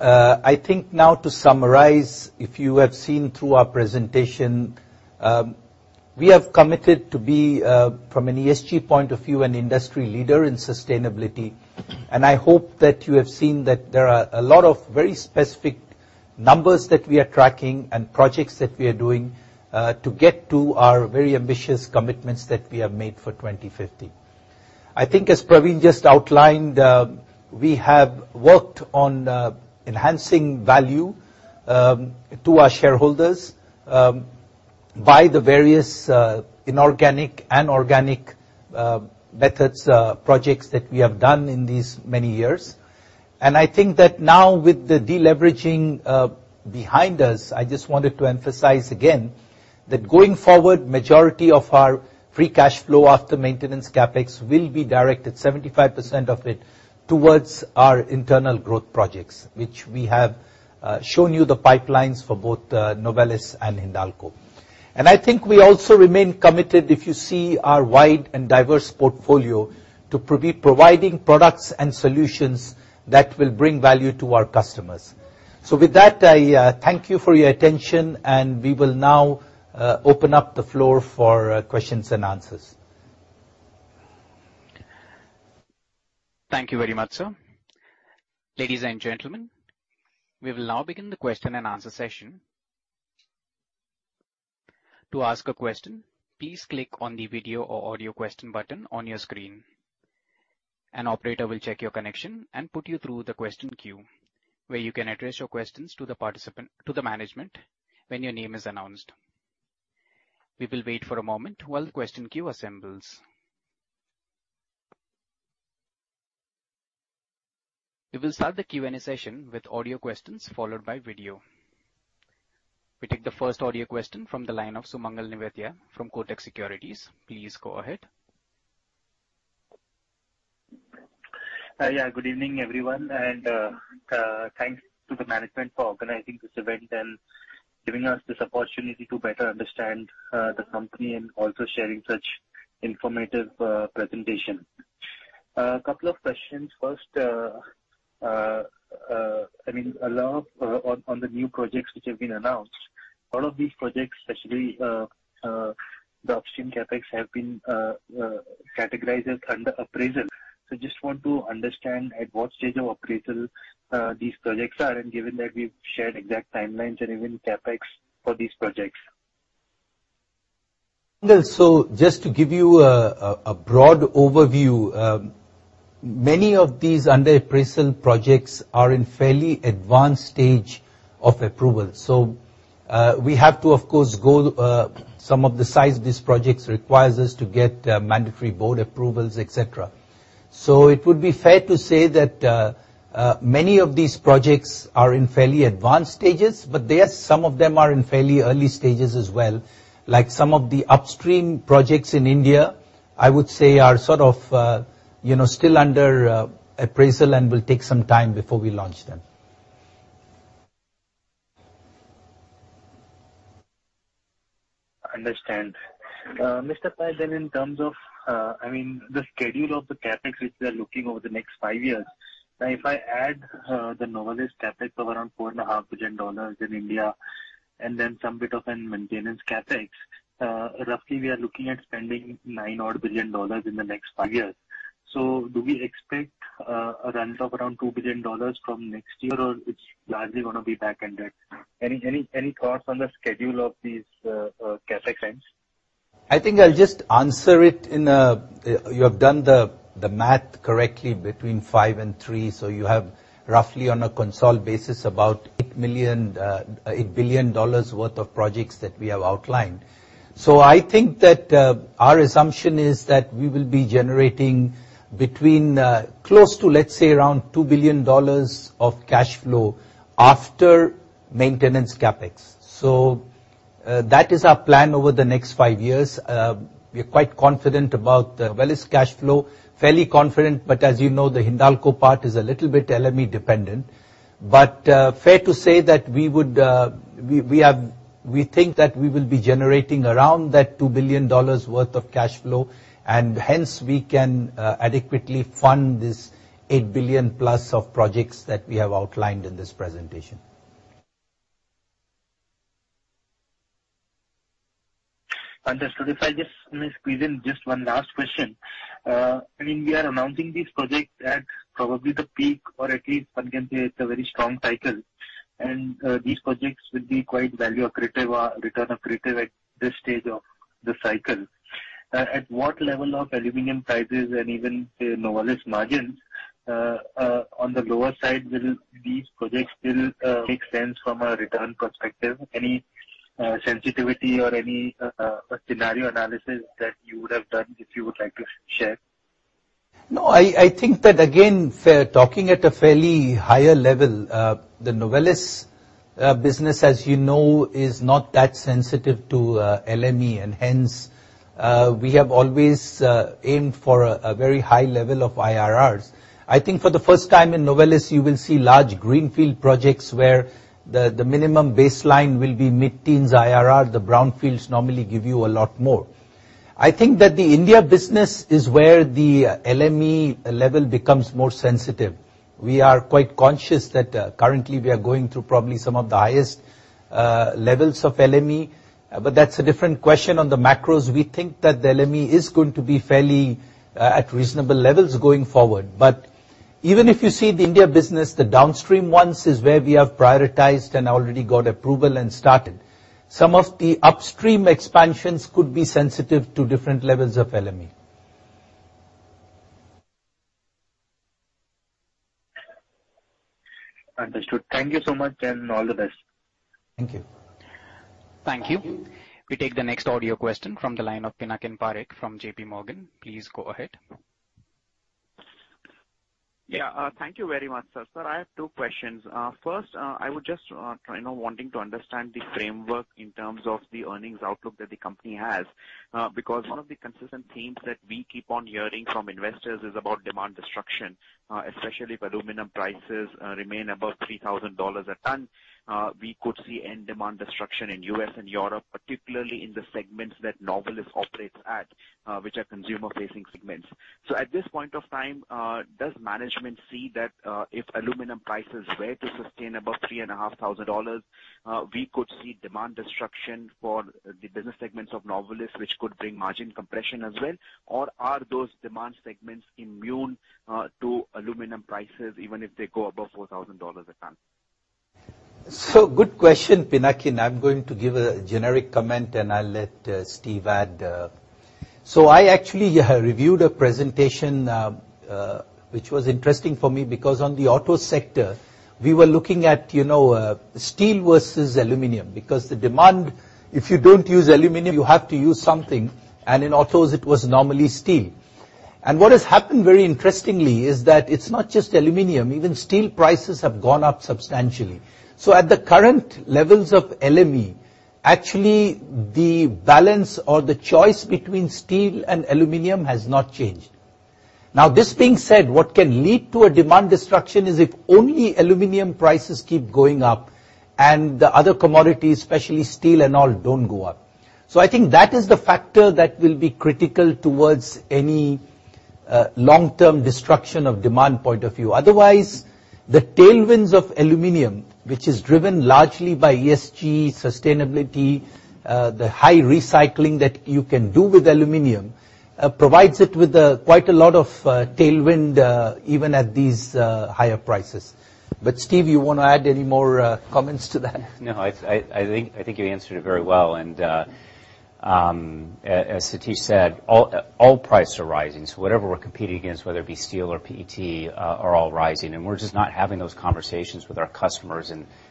Speaker 1: I think now to summarize, if you have seen through our presentation, we have committed to be from an ESG point of view an industry leader in sustainability. I hope that you have seen that there are a lot of very specific numbers that we are tracking and projects that we are doing to get to our very ambitious commitments that we have made for 2050. I think as Praveen just outlined, we have worked on enhancing value to our shareholders by the various inorganic and organic methods projects that we have done in these many years. I think that now with the deleveraging behind us, I just wanted to emphasize again that going forward, majority of our free cash flow after maintenance CapEx will be directed, 75% of it, towards our internal growth projects, which we have shown you the pipelines for both Novelis and Hindalco. I think we also remain committed, if you see our wide and diverse portfolio, to providing products and solutions that will bring value to our customers. With that, I thank you for your attention, and we will now open up the floor for questions and answers.
Speaker 6: Thank you very much, sir. Ladies and gentlemen, we will now begin the question and answer session. To ask a question, please click on the video or audio question button on your screen. An operator will check your connection and put you through the question queue, where you can address your questions to the management when your name is announced. We will wait for a moment while the question queue assembles. We will start the Q&A session with audio questions followed by video. We take the first audio question from the line of Sumangal Nevatia from Kotak Securities. Please go ahead.
Speaker 7: Good evening, everyone, and thanks to the management for organizing this event and giving us this opportunity to better understand the company and also sharing such informative presentation. A couple of questions. First, I mean, a lot on the new projects which have been announced, all of these projects, especially the upstream CapEx, have been categorized as under appraisal. Just want to understand at what stage of appraisal these projects are and given that we've shared exact timelines and even CapEx for these projects.
Speaker 1: Just to give you a broad overview, many of these under appraisal projects are in fairly advanced stage of approval. We have to, of course, given the size of these projects, get mandatory board approvals, etc. It would be fair to say that many of these projects are in fairly advanced stages, but some of them are in fairly early stages as well. Like some of the upstream projects in India, I would say are sort of, you know, still under appraisal and will take some time before we launch them.
Speaker 7: Understand. Mr. Pai, in terms of, I mean, the schedule of the CapEx which we are looking over the next five years, if I add the Novelis CapEx of around $4.5 billion in India and then some bit of a maintenance CapEx, roughly we are looking at spending $9 billion in the next five years. Do we expect a return of around $2 billion from next year, or it's largely gonna be back-ended? Any thoughts on the schedule of these CapEx spends?
Speaker 1: I think I'll just answer it. You have done the math correctly between five and three, so you have roughly on a consolidated basis about $8 billion worth of projects that we have outlined. I think that our assumption is that we will be generating between close to, let's say, around $2 billion of cash flow after maintenance CapEx. That is our plan over the next five years. We're quite confident about Novelis cash flow. Fairly confident, but as you know, the Hindalco part is a little bit LME-dependent. Fair to say that we think that we will be generating around $2 billion worth of cash flow, and hence, we can adequately fund this $8+ billion of projects that we have outlined in this presentation.
Speaker 7: Understood. If I just may squeeze in just one last question. I mean, we are announcing these projects at probably the peak or at least one can say it's a very strong cycle, and these projects will be quite value accretive or return accretive at this stage of the cycle. At what level of aluminum prices and even, say, Novelis margins on the lower side will these projects still make sense from a return perspective? Any sensitivity or any scenario analysis that you would have done that you would like to share?
Speaker 1: No, I think that, again, talking at a fairly high level, the Novelis business, as you know, is not that sensitive to LME, and hence, we have always aimed for a very high level of IRRs. I think for the first time in Novelis, you will see large greenfield projects where the minimum baseline will be mid-teens IRR. The brownfields normally give you a lot more. I think that the India business is where the LME level becomes more sensitive. We are quite conscious that currently we are going through probably some of the highest levels of LME, but that's a different question. On the macros, we think that the LME is going to be fairly flat at reasonable levels going forward. Even if you see the India business, the downstream ones is where we have prioritized and already got approval and started. Some of the upstream expansions could be sensitive to different levels of LME.
Speaker 7: Understood. Thank you so much, and all the best.
Speaker 1: Thank you.
Speaker 6: Thank you. We take the next audio question from the line of Pinakin Parekh from JPMorgan. Please go ahead.
Speaker 8: Thank you very much, sir. Sir, I have two questions. First, I would just try to understand the framework in terms of the earnings outlook that the company has, because one of the consistent themes that we keep on hearing from investors is about demand destruction, especially if aluminum prices remain above $3,000 a ton, we could see end demand destruction in U.S. and Europe, particularly in the segments that Novelis operates at, which are consumer-facing segments. At this point of time, does management see that, if aluminum prices were to sustain above $3,500, we could see demand destruction for the business segments of Novelis, which could bring margin compression as well? Are those demand segments immune to aluminum prices, even if they go above $4,000 a ton?
Speaker 1: Good question, Pinakin. I'm going to give a generic comment, and I'll let Steve add. I actually reviewed a presentation, which was interesting for me because on the auto sector, we were looking at, you know, steel versus aluminum, because the demand, if you don't use aluminum, you have to use something, and in autos it was normally steel. What has happened very interestingly is that it's not just aluminum, even steel prices have gone up substantially. At the current levels of LME, actually the balance or the choice between steel and aluminum has not changed. Now, this being said, what can lead to a demand destruction is if only aluminum prices keep going up and the other commodities, especially steel and all, don't go up. I think that is the factor that will be critical towards any long-term destruction of demand point of view. Otherwise, the tailwinds of aluminum, which is driven largely by ESG, sustainability, the high recycling that you can do with aluminum, provides it with quite a lot of tailwind even at these higher prices. Steve, you wanna add any more comments to that?
Speaker 3: No. I think you answered it very well. As Satish said, all prices are rising, so whatever we're competing against, whether it be steel or PET, are all rising, and we're just not having those conversations with our customers.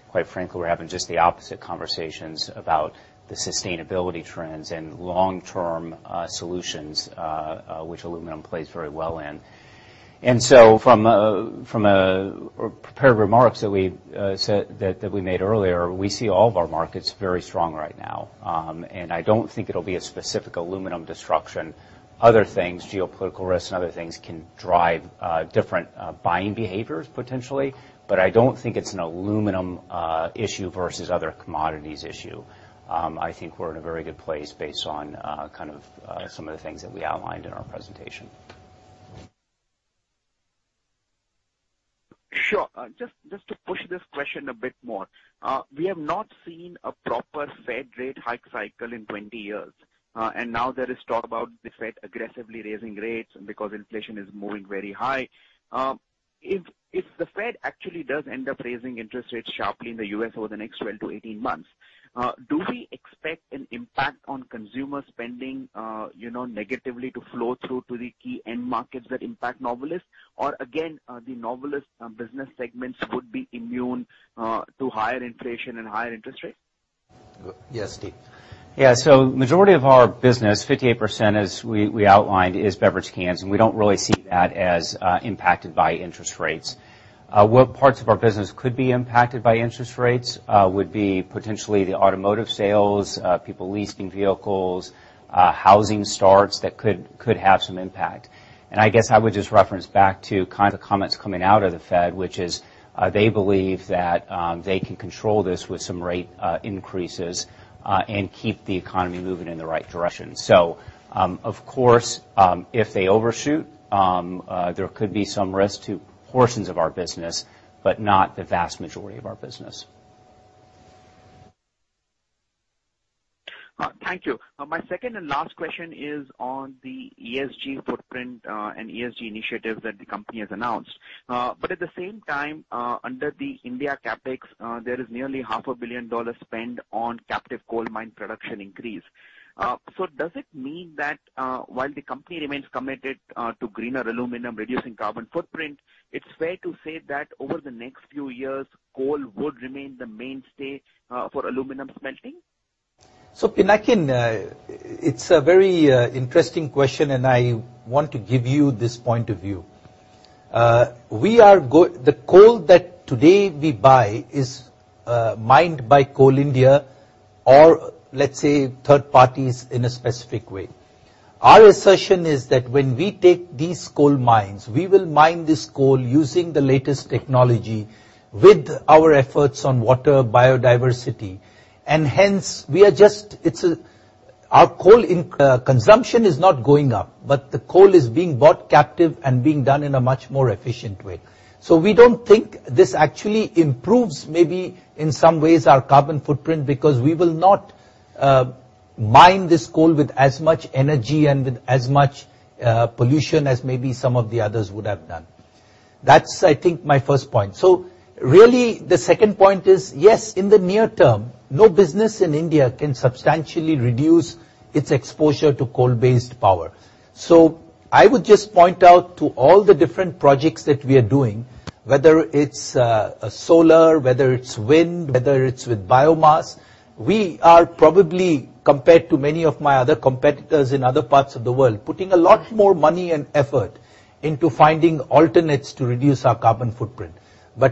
Speaker 3: Quite frankly, we're having just the opposite conversations about the sustainability trends and long-term solutions, which aluminum plays very well in. From our prepared remarks that we made earlier, we see all of our markets very strong right now. I don't think it'll be a specific aluminum disruption. Other things, geopolitical risks and other things can drive different buying behaviors potentially, but I don't think it's an aluminum issue versus other commodities issue. I think we're in a very good place based on, kind of, some of the things that we outlined in our presentation.
Speaker 8: Sure. Just to push this question a bit more. We have not seen a proper Fed rate hike cycle in 20 years, and now there is talk about the Fed aggressively raising rates because inflation is moving very high. If the Fed actually does end up raising interest rates sharply in the U.S. over the next 12-18 months, do we expect an impact on consumer spending, you know, negatively to flow through to the key end markets that impact Novelis? Or again, are the Novelis business segments would be immune to higher inflation and higher interest rates?
Speaker 1: Yes, Steve.
Speaker 3: Yeah. Majority of our business, 58% as we outlined, is beverage cans, and we don't really see that as impacted by interest rates. What parts of our business could be impacted by interest rates would be potentially the automotive sales, people leasing vehicles, housing starts that could have some impact. I guess I would just reference back to kind of the comments coming out of the Fed, which is they believe that they can control this with some rate increases and keep the economy moving in the right direction. Of course, if they overshoot, there could be some risk to portions of our business, but not the vast majority of our business.
Speaker 8: Thank you. My second and last question is on the ESG footprint and ESG initiatives that the company has announced. At the same time, under the India CapEx, there is nearly half a billion dollars spent on captive coal mine production increase. Does it mean that, while the company remains committed to greener aluminum, reducing carbon footprint, it's fair to say that over the next few years, coal would remain the mainstay for aluminum smelting?
Speaker 1: Pinakin, it's a very interesting question, and I want to give you this point of view. The coal that today we buy is mined by Coal India or, let's say, third parties in a specific way. Our assertion is that when we take these coal mines, we will mine this coal using the latest technology with our efforts on water biodiversity. Hence, our coal consumption is not going up, but the coal is being bought captive and being done in a much more efficient way. We don't think this actually improves maybe in some ways our carbon footprint, because we will not mine this coal with as much energy and with as much pollution as maybe some of the others would have done. That's, I think, my first point. Really, the second point is, yes, in the near term, no business in India can substantially reduce its exposure to coal-based power. I would just point out to all the different projects that we are doing, whether it's solar, whether it's wind, whether it's with biomass, we are probably, compared to many of my other competitors in other parts of the world, putting a lot more money and effort into finding alternatives to reduce our carbon footprint.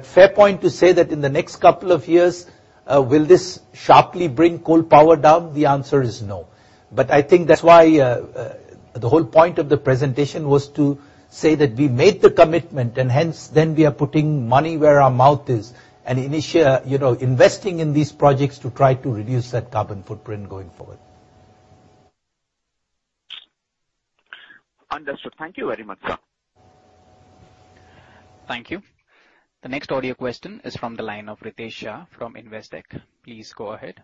Speaker 1: Fair point to say that in the next couple of years, will this sharply bring coal power down? The answer is no. I think that's why, the whole point of the presentation was to say that we made the commitment and hence then we are putting money where our mouth is and you know, investing in these projects to try to reduce that carbon footprint going forward.
Speaker 8: Understood. Thank you very much, sir.
Speaker 6: Thank you. The next audio question is from the line of Ritesh Shah from Investec. Please go ahead.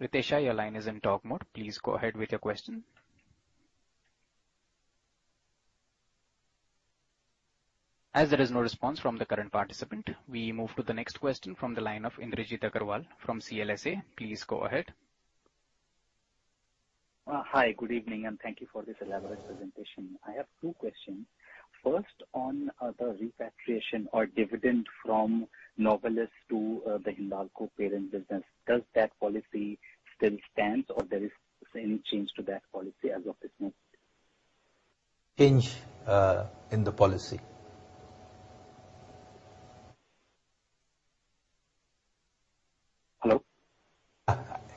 Speaker 6: Ritesh Shah, your line is in talk mode. Please go ahead with your question. As there is no response from the current participant, we move to the next question from the line of Indrajit Agarwal from CLSA. Please go ahead.
Speaker 9: Hi, good evening, and thank you for this elaborate presentation. I have two questions. First, on the repatriation or dividend from Novelis to the Hindalco parent business. Does that policy still stand, or there is any change to that policy as of this month?
Speaker 1: Change in the policy.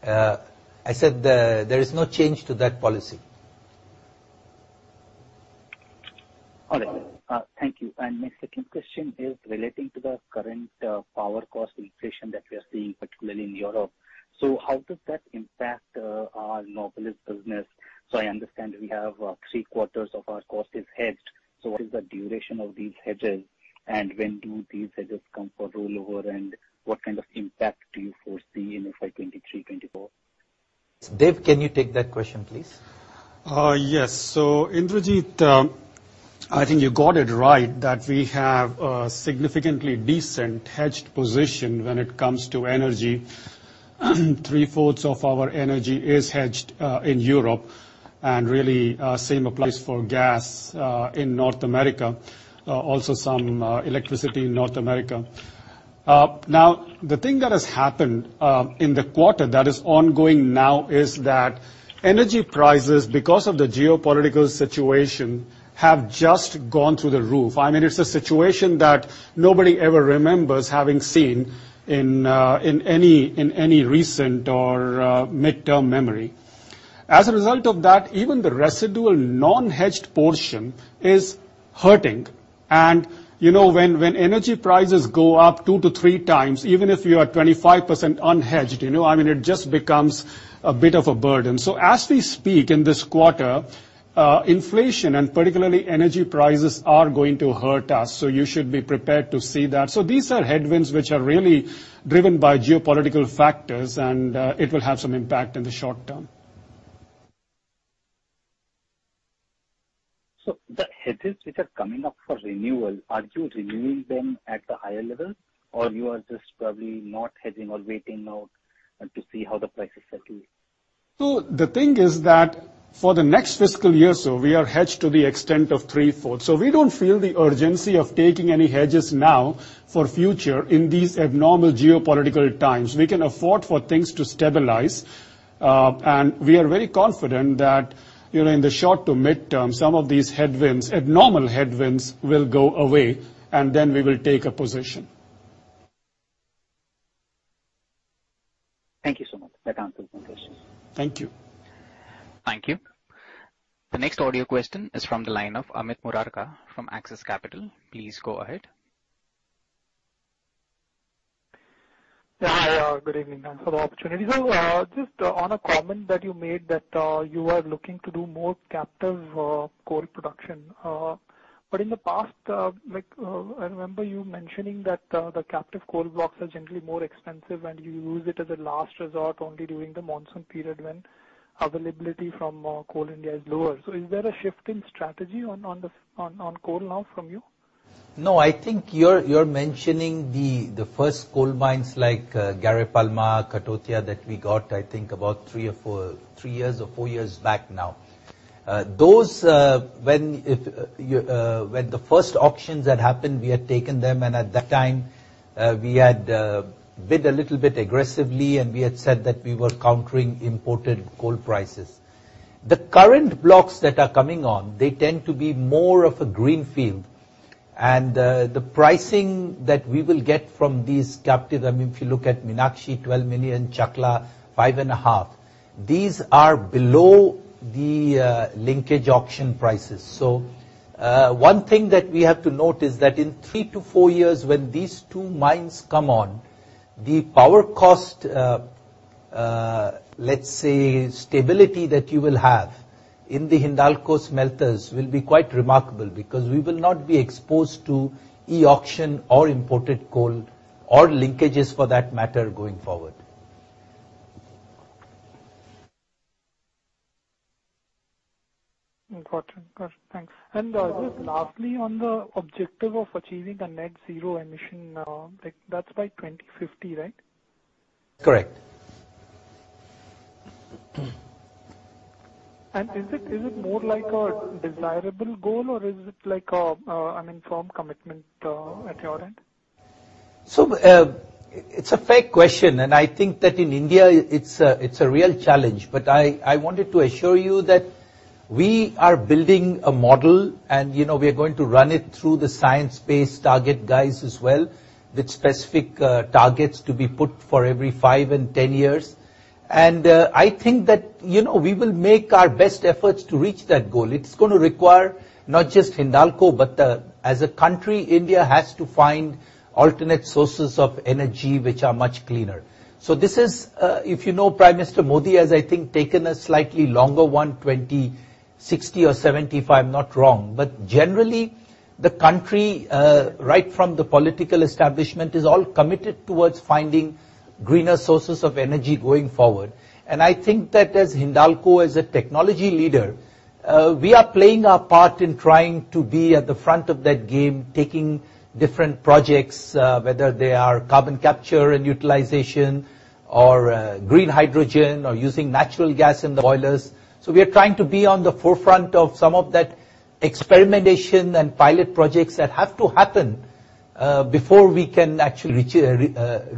Speaker 9: Hello?
Speaker 1: I said there is no change to that policy.
Speaker 9: All right. Thank you. My second question is relating to the current power cost inflation that we are seeing, particularly in Europe. How does that impact our Novelis business? I understand we have three-quarters of our cost is hedged, so what is the duration of these hedges, and when do these hedges come for rollover, and what kind of impact do you foresee in FY 2023-2024?
Speaker 1: Dev, can you take that question, please?
Speaker 4: Yes. Indrajit, I think you got it right that we have a significantly decent hedged position when it comes to energy. Three-fourths of our energy is hedged in Europe, and really, same applies for gas in North America. Also some electricity in North America. Now the thing that has happened in the quarter that is ongoing now is that energy prices, because of the geopolitical situation, have just gone through the roof. I mean, it's a situation that nobody ever remembers having seen in any recent or midterm memory. As a result of that, even the residual non-hedged portion is hurting. You know, when energy prices go up 2-3 times, even if you are 25% unhedged, you know, I mean, it just becomes a bit of a burden. As we speak in this quarter, inflation and particularly energy prices are going to hurt us, so you should be prepared to see that. These are headwinds which are really driven by geopolitical factors, and it will have some impact in the short term.
Speaker 9: The hedges which are coming up for renewal, are you renewing them at the higher level or you are just probably not hedging or waiting out, to see how the prices settle?
Speaker 1: The thing is that for the next fiscal year, we are hedged to the extent of three-fourths. We don't feel the urgency of taking any hedges now for future in these abnormal geopolitical times. We can afford for things to stabilize. We are very confident that, you know, in the short to mid-term, some of these headwinds, abnormal headwinds, will go away and then we will take a position.
Speaker 9: Thank you so much. That answers my questions.
Speaker 1: Thank you.
Speaker 6: Thank you. The next audio question is from the line of Amit Murarka from Axis Capital. Please go ahead.
Speaker 10: Yeah. Hi. Good evening and thank you for the opportunity. Just on a comment that you made that you are looking to do more captive coal production. But in the past, like, I remember you mentioning that the captive coal blocks are generally more expensive and you use it as a last resort only during the monsoon period when availability from Coal India is lower. Is there a shift in strategy on coal now from you?
Speaker 1: No, I think you're mentioning the first coal mines like Gare Palma, Kathautia, that we got, I think about three or four years back now. Those, when the first auctions had happened, we had taken them, and at that time, we had bid a little bit aggressively and we had said that we were countering imported coal prices. The current blocks that are coming on, they tend to be more of a greenfield. The pricing that we will get from these captive, I mean, if you look at Meenakshi, 12 million, Chakla, 5.5, these are below the linkage auction prices. One thing that we have to note is that in 3-4 years, when these two mines come on, the power cost, let's say stability that you will have in the Hindalco smelters will be quite remarkable because we will not be exposed to e-auction or imported coal or linkages for that matter, going forward.
Speaker 10: Important. Got it. Thanks. Just lastly on the objective of achieving a net zero emission, like that's by 2050, right?
Speaker 1: Correct.
Speaker 10: Is it more like a desirable goal or is it like a an informed commitment at your end?
Speaker 1: It's a fair question, and I think that in India it's a real challenge. I wanted to assure you that we are building a model and, you know, we are going to run it through the science-based target guys as well, with specific targets to be put for every five and 10 years. I think that, you know, we will make our best efforts to reach that goal. It's gonna require not just Hindalco, but as a country, India has to find alternate sources of energy which are much cleaner. This is, if you know, Prime Minister Modi has, I think, taken a slightly longer one, 2060 or 2075, I'm not wrong. Generally, the country right from the political establishment is all committed towards finding greener sources of energy going forward. I think that as Hindalco, as a technology leader, we are playing our part in trying to be at the front of that game, taking different projects, whether they are carbon capture and utilization or green hydrogen or using natural gas in the boilers. We are trying to be on the forefront of some of that experimentation and pilot projects that have to happen before we can actually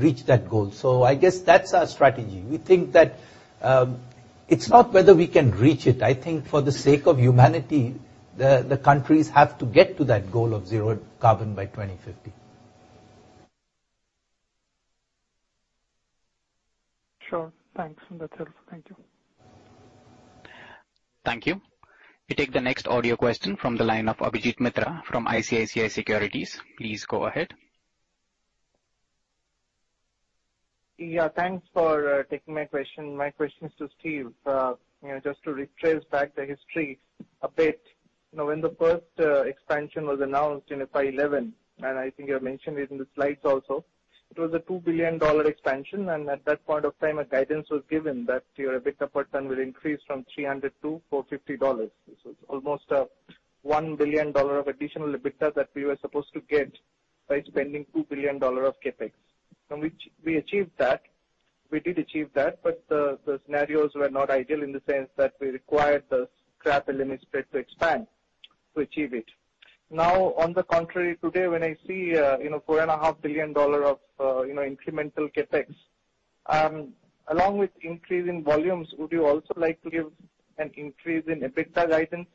Speaker 1: reach that goal. I guess that's our strategy. We think that, it's not whether we can reach it. I think for the sake of humanity, the countries have to get to that goal of zero carbon by 2050.
Speaker 10: Sure. Thanks. That helps. Thank you.
Speaker 6: Thank you. We take the next audio question from the line of Abhijit Mitra from ICICI Securities. Please go ahead.
Speaker 11: Yeah. Thanks for taking my question. My question is to Steve. You know, just to retrace back the history a bit. You know, when the first expansion was announced in FY 2011, and I think you have mentioned it in the slides also, it was a $2 billion expansion. At that point of time a guidance was given that your EBITDA per ton will increase from $300 to $450. This is almost a $1 billion of additional EBITDA that we were supposed to get by spending $2 billion of CapEx. From which we achieved that. We did achieve that, but the scenarios were not ideal in the sense that we required the scrap aluminum spread to expand to achieve it. Now, on the contrary, today when I see, you know, $4.5 billion of, you know, incremental CapEx, along with increase in volumes, would you also like to give an increase in EBITDA guidance?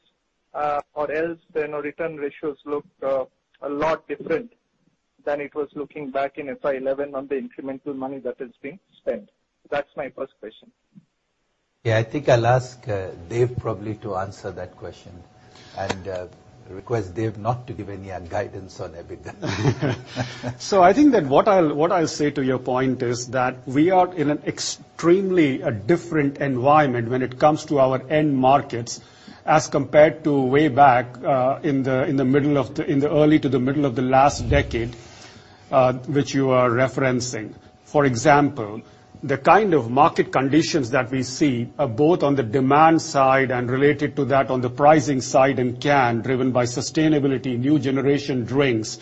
Speaker 11: Or else the, you know, return ratios look, a lot different than it was looking back in FY 2011 on the incremental money that is being spent. That's my first question.
Speaker 1: Yeah, I think I'll ask Dev probably to answer that question, and request Dev not to give any guidance on EBITDA.
Speaker 4: I think that what I'll say to your point is that we are in an extremely different environment when it comes to our end markets as compared to way back in the early to the middle of the last decade, which you are referencing. For example, the kind of market conditions that we see are both on the demand side and related to that on the pricing side in can, driven by sustainability, new generation drinks,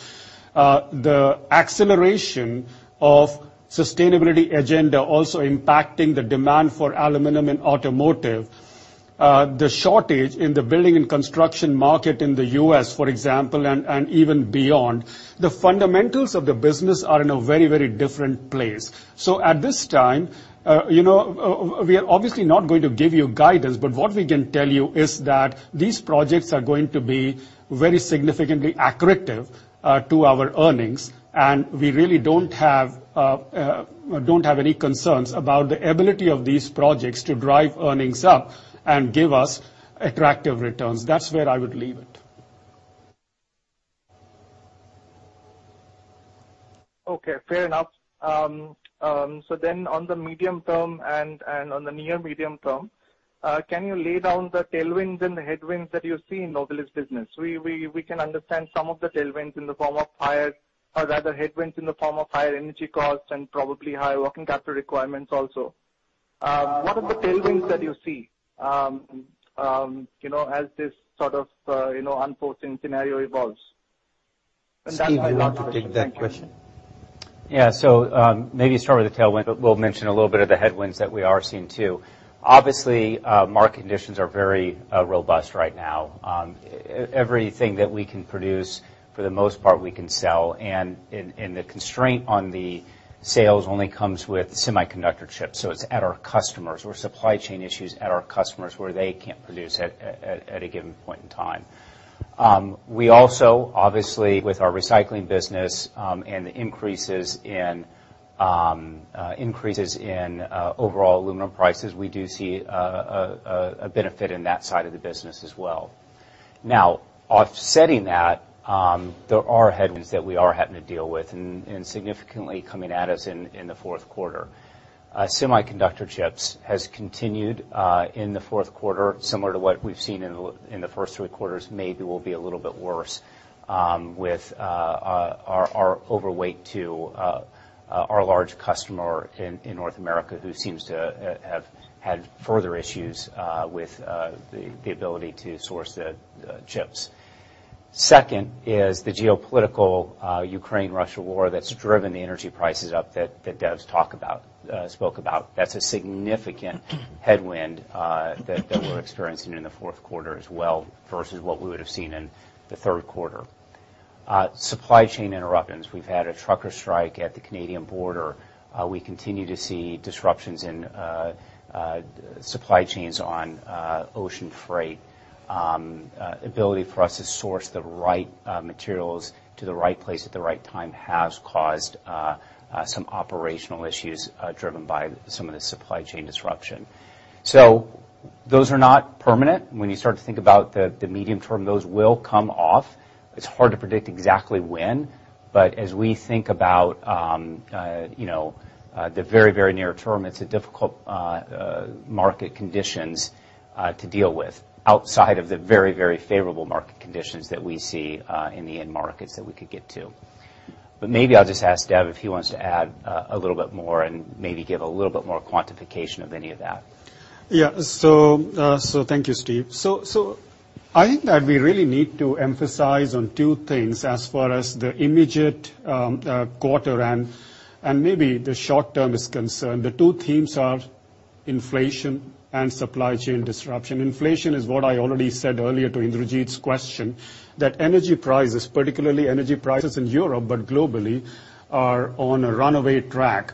Speaker 4: the acceleration of sustainability agenda also impacting the demand for aluminum in automotive, the shortage in the building and construction market in the U.S., for example, and even beyond. The fundamentals of the business are in a very different place. At this time, you know, we are obviously not going to give you guidance, but what we can tell you is that these projects are going to be very significantly accretive to our earnings. We really don't have any concerns about the ability of these projects to drive earnings up and give us attractive returns. That's where I would leave it.
Speaker 11: Okay. Fair enough. On the medium term and on the near medium term, can you lay down the tailwinds and the headwinds that you see in Novelis business? We can understand some of the tailwinds in the form of higher or rather headwinds in the form of higher energy costs and probably higher working capital requirements also. What are the tailwinds that you see, you know, as this sort of, you know, unforeseen scenario evolves?
Speaker 1: Steve, you want to take that question?
Speaker 3: Yeah. Maybe start with the tailwind, but we'll mention a little bit of the headwinds that we are seeing too. Obviously, market conditions are very robust right now. Everything that we can produce, for the most part, we can sell. The constraint on the sales only comes with semiconductor chips, so it's at our customers or supply chain issues at our customers where they can't produce at a given point in time. We also, obviously, with our recycling business, and the increases in overall aluminum prices, we do see a benefit in that side of the business as well. Now, offsetting that, there are headwinds that we are having to deal with and significantly coming at us in the fourth quarter. Semiconductor chips has continued in the fourth quarter, similar to what we've seen in the first three quarters, maybe will be a little bit worse, with our overweight to our large customer in North America, who seems to have had further issues with the ability to source the chips. Second is the geopolitical Ukraine-Russia war that's driven the energy prices up that Dev's talked about. That's a significant headwind that we're experiencing in the fourth quarter as well versus what we would have seen in the third quarter. Supply chain interruptions. We've had a trucker strike at the Canadian border. We continue to see disruptions in supply chains on ocean freight. Ability for us to source the right materials to the right place at the right time has caused some operational issues driven by some of the supply chain disruption. Those are not permanent. When you start to think about the medium term, those will come off. It's hard to predict exactly when. As we think about, you know, the very, very near term, it's a difficult market conditions to deal with outside of the very, very favorable market conditions that we see in the end markets that we could get to. Maybe I'll just ask Dev if he wants to add a little bit more and maybe give a little bit more quantification of any of that.
Speaker 4: Yeah. Thank you, Steve. I think that we really need to emphasize on two things as far as the immediate quarter and maybe the short term is concerned. The two themes are inflation and supply chain disruption. Inflation is what I already said earlier to Indrajeet's question, that energy prices, particularly energy prices in Europe, but globally, are on a runaway track.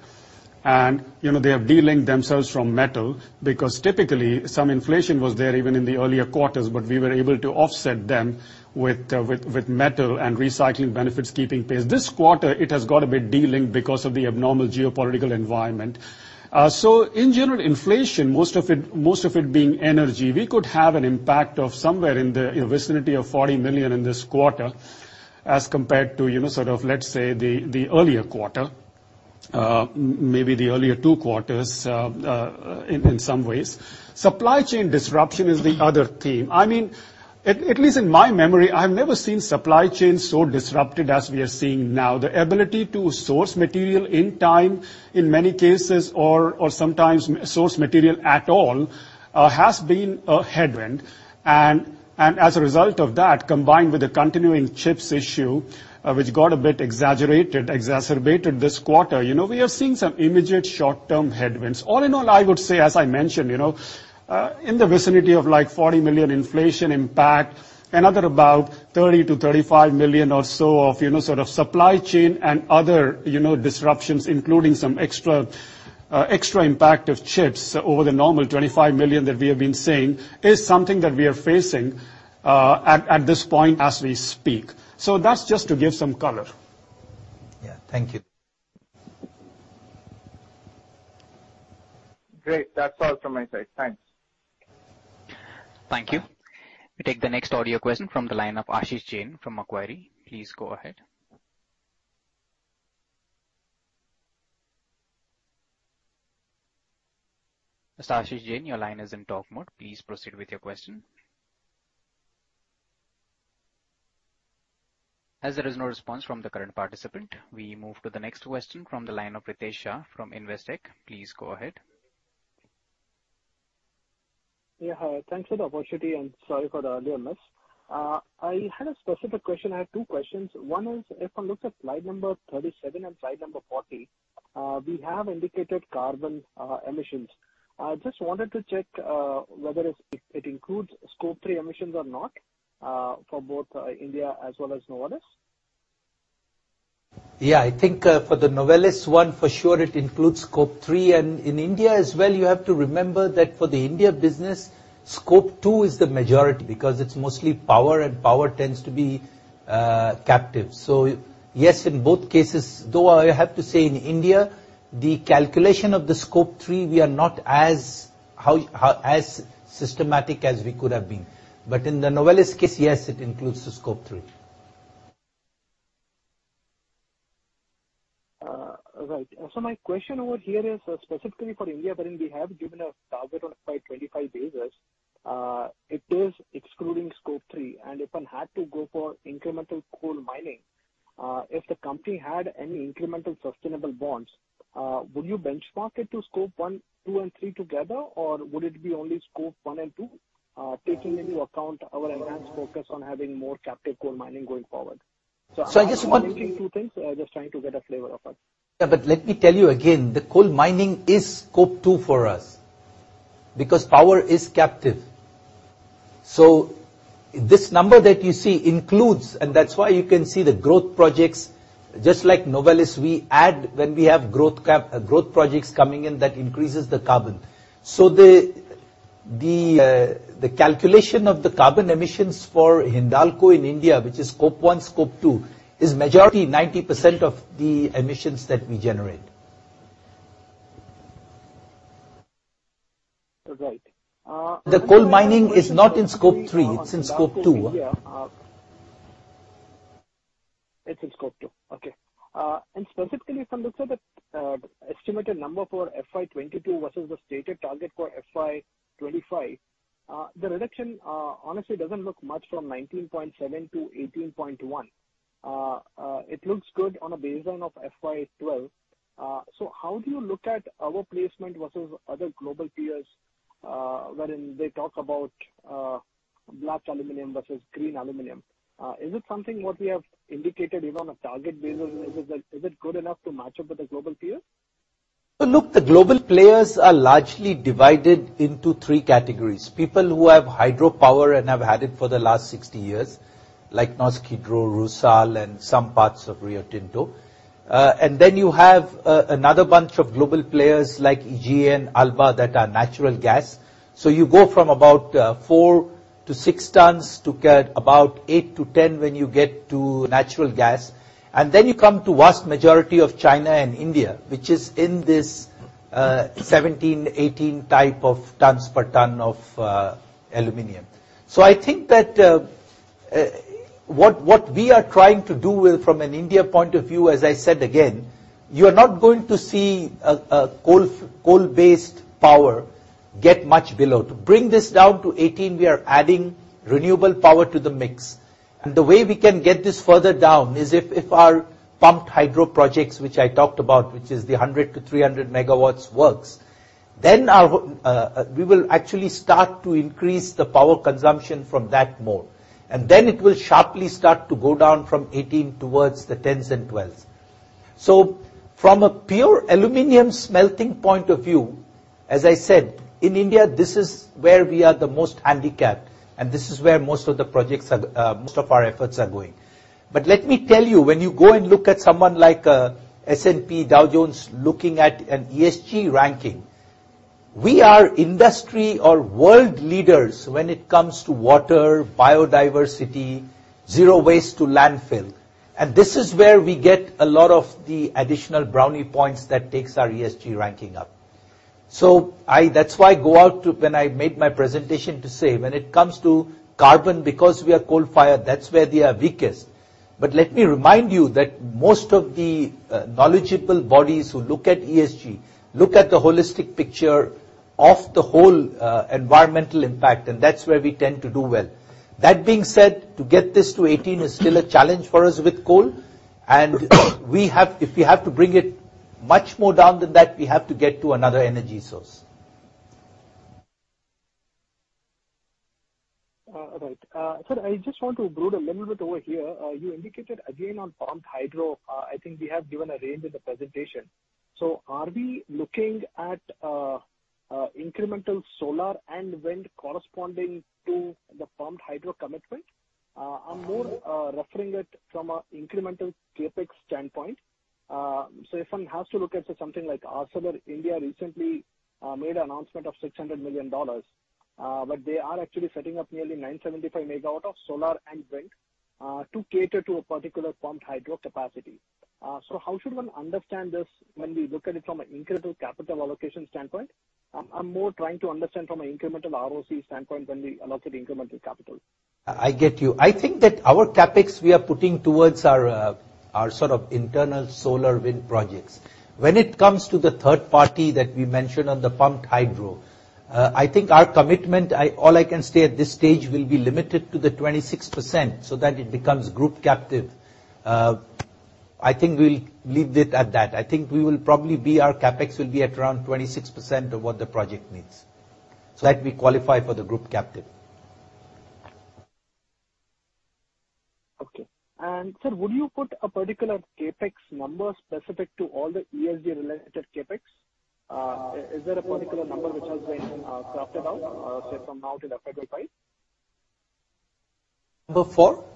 Speaker 4: You know, they have delinked themselves from metal because typically some inflation was there even in the earlier quarters, but we were able to offset them with metal and recycling benefits keeping pace. This quarter it has got a bit delinked because of the abnormal geopolitical environment. In general, inflation, most of it being energy, we could have an impact of somewhere in the vicinity of 40 million in this quarter as compared to, you know, sort of, let's say, the earlier quarter, maybe the earlier two quarters, in some ways. Supply chain disruption is the other theme. I mean, at least in my memory, I've never seen supply chain so disrupted as we are seeing now. The ability to source material in time in many cases or sometimes source material at all has been a headwind. As a result of that, combined with the continuing chips issue, which got a bit exaggerated, exacerbated this quarter, you know, we are seeing some immediate short-term headwinds. All in all, I would say, as I mentioned, you know, in the vicinity of, like, 40 million inflation impact, another about 30 million-35 million or so of, you know, sort of supply chain and other, you know, disruptions, including some extra impact of chips over the normal 25 million that we have been seeing, is something that we are facing, at this point as we speak. That's just to give some color.
Speaker 1: Thank you.
Speaker 11: Great. That's all from my side. Thanks.
Speaker 6: Thank you. We take the next audio question from the line of Ashish Jain from Macquarie. Please go ahead. Mr. Ashish Jain, your line is in talk mode. Please proceed with your question. As there is no response from the current participant, we move to the next question from the line of Ritesh Shah from Investec. Please go ahead.
Speaker 12: Hi. Thanks for the opportunity, and sorry for the earlier miss. I had a specific question. I have two questions. One is, if I look at slide number 37 and slide number 40, we have indicated carbon emissions. I just wanted to check whether it includes Scope 3 emissions or not, for both India as well as Novelis.
Speaker 1: Yeah. I think, for the Novelis one, for sure it includes Scope 3. In India as well, you have to remember that for the India business, Scope 2 is the majority because it's mostly power, and power tends to be captive. Yes, in both cases. Though, I have to say in India, the calculation of the Scope 3, we are not as systematic as we could have been. In the Novelis case, yes, it includes the Scope 3.
Speaker 12: My question over here is specifically for India, wherein we have given a target of FY 2025 basis, it is excluding Scope 3. If one had to go for incremental coal mining, if the company had any incremental sustainable bonds, would you benchmark it to Scope 1, 2, and 3 together, or would it be only Scope 1 and 2, taking into account our enhanced focus on having more captive coal mining going forward?
Speaker 1: I just want.
Speaker 12: I'm linking two things. I'm just trying to get a flavor of it.
Speaker 1: Yeah, but let me tell you again, the coal mining is Scope 2 for us because power is captive. This number that you see includes, and that's why you can see the growth projects, just like Novelis, we add when we have growth CapEx, growth projects coming in, that increases the carbon. The calculation of the carbon emissions for Hindalco in India, which is Scope 1, Scope 2, is majority 90% of the emissions that we generate.
Speaker 12: Right.
Speaker 1: The coal mining is not in Scope 3, it's in Scope 2.
Speaker 12: It's in Scope 2. Okay. And specifically if I look at the estimated number for FY 2022 versus the stated target for FY 2025, the reduction honestly doesn't look much from 19.7 to 18.1. It looks good on a baseline of FY 2012. How do you look at our placement versus other global peers, wherein they talk about black aluminum versus green aluminum? Is it something what we have indicated even on a target basis? Is it like, is it good enough to match up with the global peers?
Speaker 1: Look, the global players are largely divided into three categories. People who have hydropower and have had it for the last 60 years, like Norsk Hydro, RUSAL, and some parts of Rio Tinto. Then you have another bunch of global players like EGA, Alba that are natural gas. You go from about 4-6 tons to get about 8-10 when you get to natural gas. Then you come to vast majority of China and India, which is in this 17-18 type of tons per ton of aluminum. I think that what we are trying to do from an India point of view, as I said again, you are not going to see a coal-based power get much below. To bring this down to 18, we are adding renewable power to the mix. The way we can get this further down is if our pumped hydro projects, which I talked about, which is the 100 MW-300 MW works, then we will actually start to increase the power consumption from that more. It will sharply start to go down from 18 towards the 10s and 12s. From a pure aluminum smelting point of view, as I said, in India, this is where we are the most handicapped, and this is where most of the projects are, most of our efforts are going. Let me tell you, when you go and look at someone like S&P Dow Jones looking at an ESG ranking, we are industry or world leaders when it comes to water, biodiversity, zero waste to landfill. This is where we get a lot of the additional brownie points that takes our ESG ranking up. That's why I go out to when I made my presentation to say, when it comes to carbon, because we are coal-fired, that's where we are weakest. Let me remind you that most of the knowledgeable bodies who look at ESG look at the holistic picture of the whole environmental impact, and that's where we tend to do well. That being said, to get this to 18 is still a challenge for us with coal. We have, if we have to bring it much more down than that, we have to get to another energy source.
Speaker 12: Right. Sir, I just want to probe a little bit over here. You indicated again on pumped hydro. I think we have given a range in the presentation. Are we looking at incremental solar and wind corresponding to the pumped hydro commitment? I'm more referring to it from an incremental CapEx standpoint. If one has to look at something like ArcelorMittal India recently made an announcement of $600 million, but they are actually setting up nearly 975 MW of solar and wind to cater to a particular pumped hydro capacity. How should one understand this when we look at it from an incremental capital allocation standpoint? I'm more trying to understand from an incremental ROC standpoint when we allocate incremental capital.
Speaker 1: I get you. I think that our CapEx we are putting towards our sort of internal solar wind projects. When it comes to the third party that we mentioned on the pumped hydro, I think our commitment, all I can say at this stage will be limited to the 26% so that it becomes group captive. I think we'll leave it at that. I think our CapEx will be at around 26% of what the project needs, so that we qualify for the group captive.
Speaker 12: Okay. Sir, would you put a particular CapEx number specific to all the ESG related CapEx? Is there a particular number which has been carved out, say from now till April 5?
Speaker 1: Number four?
Speaker 12: CapEx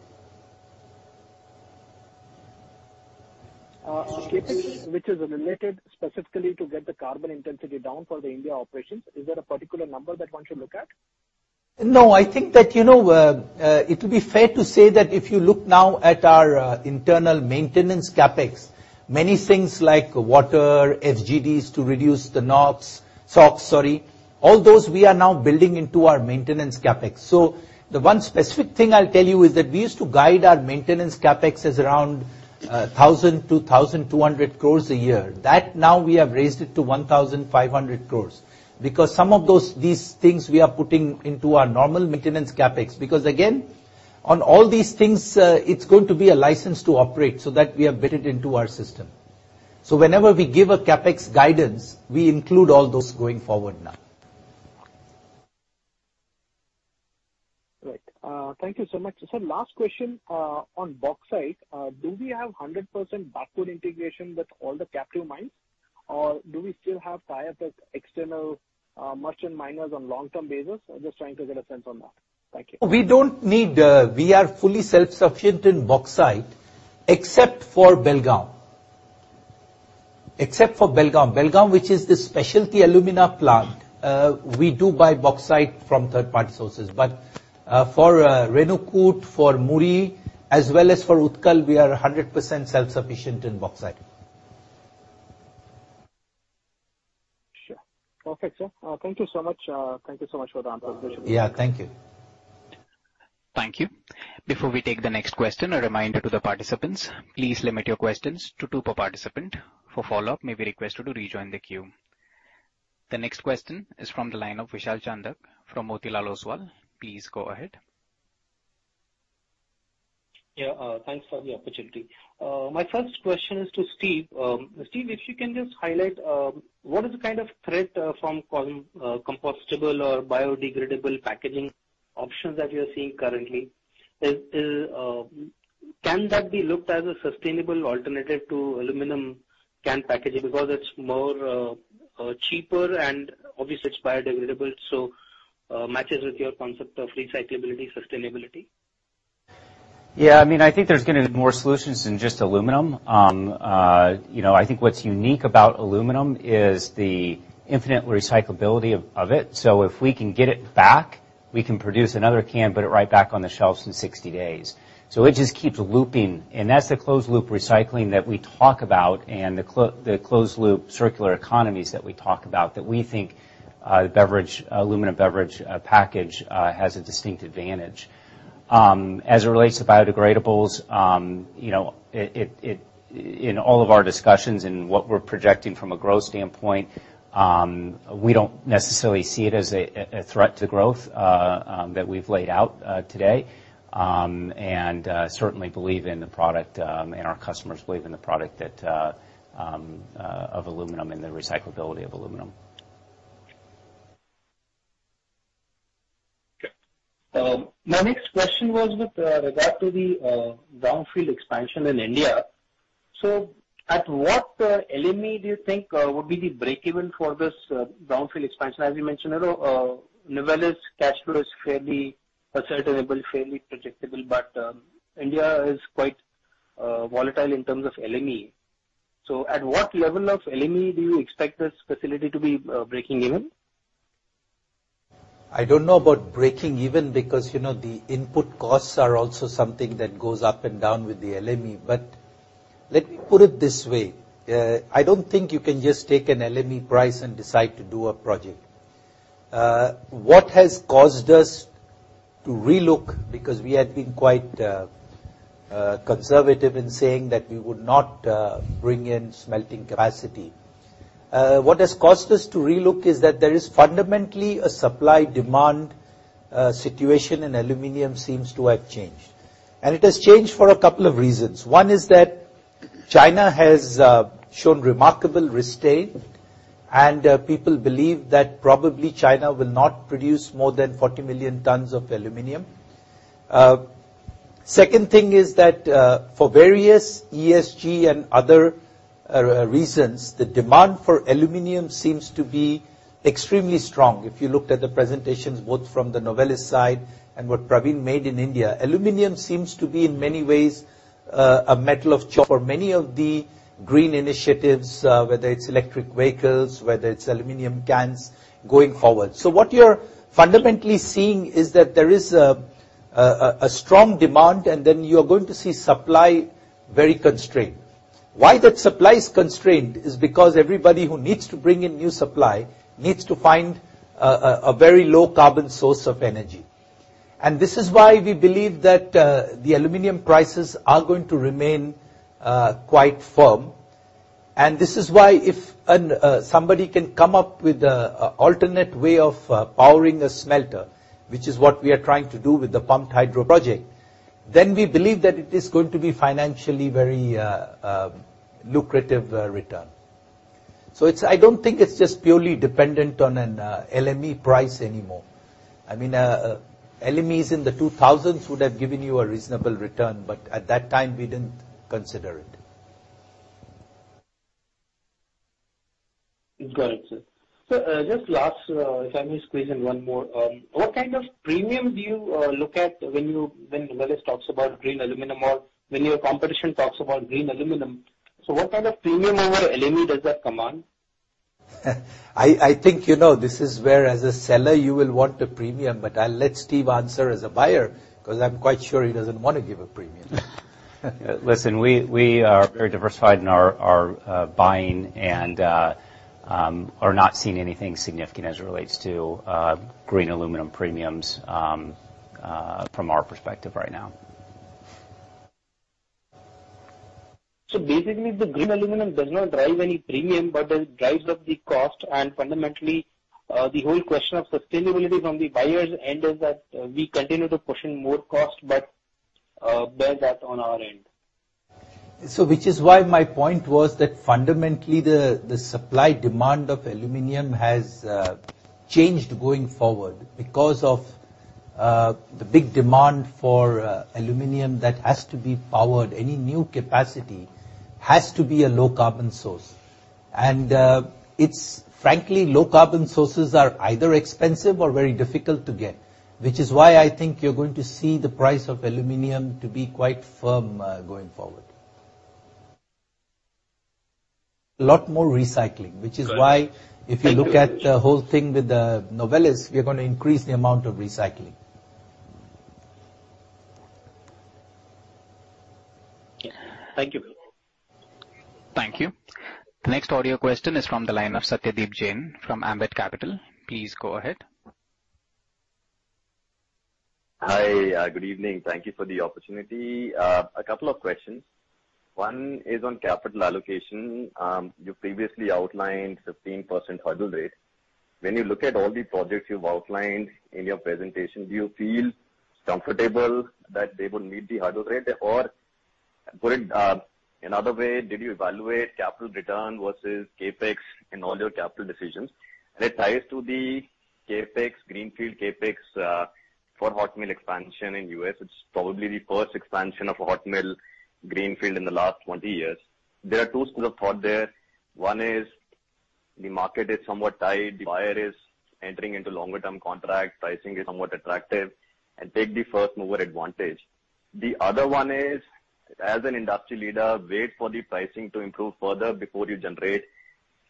Speaker 12: which is related specifically to get the carbon intensity down for the India operations. Is there a particular number that one should look at?
Speaker 1: No, I think that, you know, it'll be fair to say that if you look now at our internal maintenance CapEx, many things like water, FGDs to reduce the NOx, SOx, sorry, all those we are now building into our maintenance CapEx. The one specific thing I'll tell you is that we used to guide our maintenance CapEx as around 1,000-1,200 crore a year. That now we have raised it to 1,500 crore because some of those, these things we are putting into our normal maintenance CapEx. Because again, on all these things, it's going to be a license to operate so that we have built it into our system. Whenever we give a CapEx guidance, we include all those going forward now.
Speaker 12: Right. Thank you so much. Sir, last question, on bauxite. Do we have 100% backward integration with all the captive mines? Or do we still have tie-up with external, merchant miners on long-term basis? I'm just trying to get a sense on that. Thank you.
Speaker 1: We are fully self-sufficient in bauxite except for Belgaum. Belgaum, which is the specialty alumina plant, we do buy bauxite from third-party sources. For Renukoot, for Muri, as well as for Utkal, we are 100% self-sufficient in bauxite.
Speaker 12: Sure. Perfect, sir. Thank you so much. Thank you so much for the answers.
Speaker 1: Yeah, thank you.
Speaker 6: Thank you. Before we take the next question, a reminder to the participants, please limit your questions to two per participant. For follow-up, you may be requested to rejoin the queue. The next question is from the line of Vishal Chandak from Motilal Oswal. Please go ahead.
Speaker 13: Yeah, thanks for the opportunity. My first question is to Steve. Steve, if you can just highlight what is the kind of threat from compostable or biodegradable packaging options that you are seeing currently? Can that be looked at as a sustainable alternative to aluminum can packaging because it's more cheaper and obviously it's biodegradable, so matches with your concept of recyclability, sustainability?
Speaker 3: Yeah. I mean, I think there's gonna be more solutions than just aluminum. You know, I think what's unique about aluminum is the infinite recyclability of it. So if we can get it back, we can produce another can, put it right back on the shelves in 60 days. So it just keeps looping, and that's the closed loop recycling that we talk about and the closed loop circular economies that we talk about, that we think the aluminum beverage package has a distinct advantage. As it relates to biodegradables, you know, in all of our discussions in what we're projecting from a growth standpoint, we don't necessarily see it as a threat to growth that we've laid out today. Certainly believe in the product, and our customers believe in the product that of aluminum and the recyclability of aluminum.
Speaker 13: Okay. My next question was with regard to the brownfield expansion in India. At what LME do you think would be the break even for this brownfield expansion? As you mentioned, Novelis cash flow is fairly ascertainable, fairly predictable, but India is quite volatile in terms of LME. At what level of LME do you expect this facility to be breaking even?
Speaker 1: I don't know about breaking even because, you know, the input costs are also something that goes up and down with the LME. Let me put it this way, I don't think you can just take an LME price and decide to do a project. What has caused us to relook is that there is fundamentally a supply-demand situation, and aluminum seems to have changed. It has changed for a couple of reasons. One is that China has shown remarkable restraint, and people believe that probably China will not produce more than 40 million tons of aluminum. Second thing is that, for various ESG and other reasons, the demand for aluminum seems to be extremely strong. If you looked at the presentations, both from the Novelis side and what Praveen made in India, aluminum seems to be, in many ways, a metal of choice for many of the green initiatives, whether it's electric vehicles, whether it's aluminum cans going forward. What you're fundamentally seeing is that there is a strong demand, and then you're going to see supply very constrained. Why that supply is constrained is because everybody who needs to bring in new supply needs to find a very low carbon source of energy. This is why we believe that, the aluminum prices are going to remain, quite firm. This is why if somebody can come up with an alternative way of powering a smelter, which is what we are trying to do with the pumped hydro project, then we believe that it is going to be financially very lucrative return. It's not just purely dependent on an LME price anymore. I mean, LME's in the 2,000s would have given you a reasonable return, but at that time we didn't consider it.
Speaker 13: Got it, sir. Just last, if I may squeeze in one more. What kind of premium do you look at when Novelis talks about green aluminum or when your competition talks about green aluminum? What kind of premium over LME does that command?
Speaker 1: I think, you know, this is where, as a seller, you will want a premium, but I'll let Steve answer as a buyer, 'cause I'm quite sure he doesn't wanna give a premium.
Speaker 3: Listen, we are very diversified in our buying and are not seeing anything significant as it relates to green aluminum premiums from our perspective right now.
Speaker 13: Basically, the green aluminum does not drive any premium, but it drives up the cost. Fundamentally, the whole question of sustainability from the buyer's end is that we continue to push in more cost, but bear that on our end.
Speaker 1: Which is why my point was that fundamentally, the supply and demand of aluminum has changed going forward because of the big demand for aluminum that has to be produced. Any new capacity has to be a low carbon source. It's frankly low carbon sources are either expensive or very difficult to get, which is why I think you're going to see the price of aluminum to be quite firm going forward. A lot more recycling, which is why
Speaker 13: Got it. Thank you.
Speaker 1: If you look at the whole thing with the Novelis, we are gonna increase the amount of recycling.
Speaker 13: Thank you.
Speaker 6: Thank you. The next audio question is from the line of Satyadeep Jain from Ambit Capital. Please go ahead.
Speaker 14: Hi. Good evening. Thank you for the opportunity. A couple of questions. One is on capital allocation. You previously outlined 15% hurdle rate. When you look at all the projects you've outlined in your presentation, do you feel comfortable that they will meet the hurdle rate? Or put it another way, did you evaluate capital return versus CapEx in all your capital decisions? It ties to the CapEx, greenfield CapEx, for hot mill expansion in U.S. It's probably the first expansion of hot mill greenfield in the last 20 years. There are two schools of thought there. One is the market is somewhat tight, the buyer is entering into longer term contract, pricing is somewhat attractive and take the first mover advantage. The other one is, as an industry leader, wait for the pricing to improve further before you generate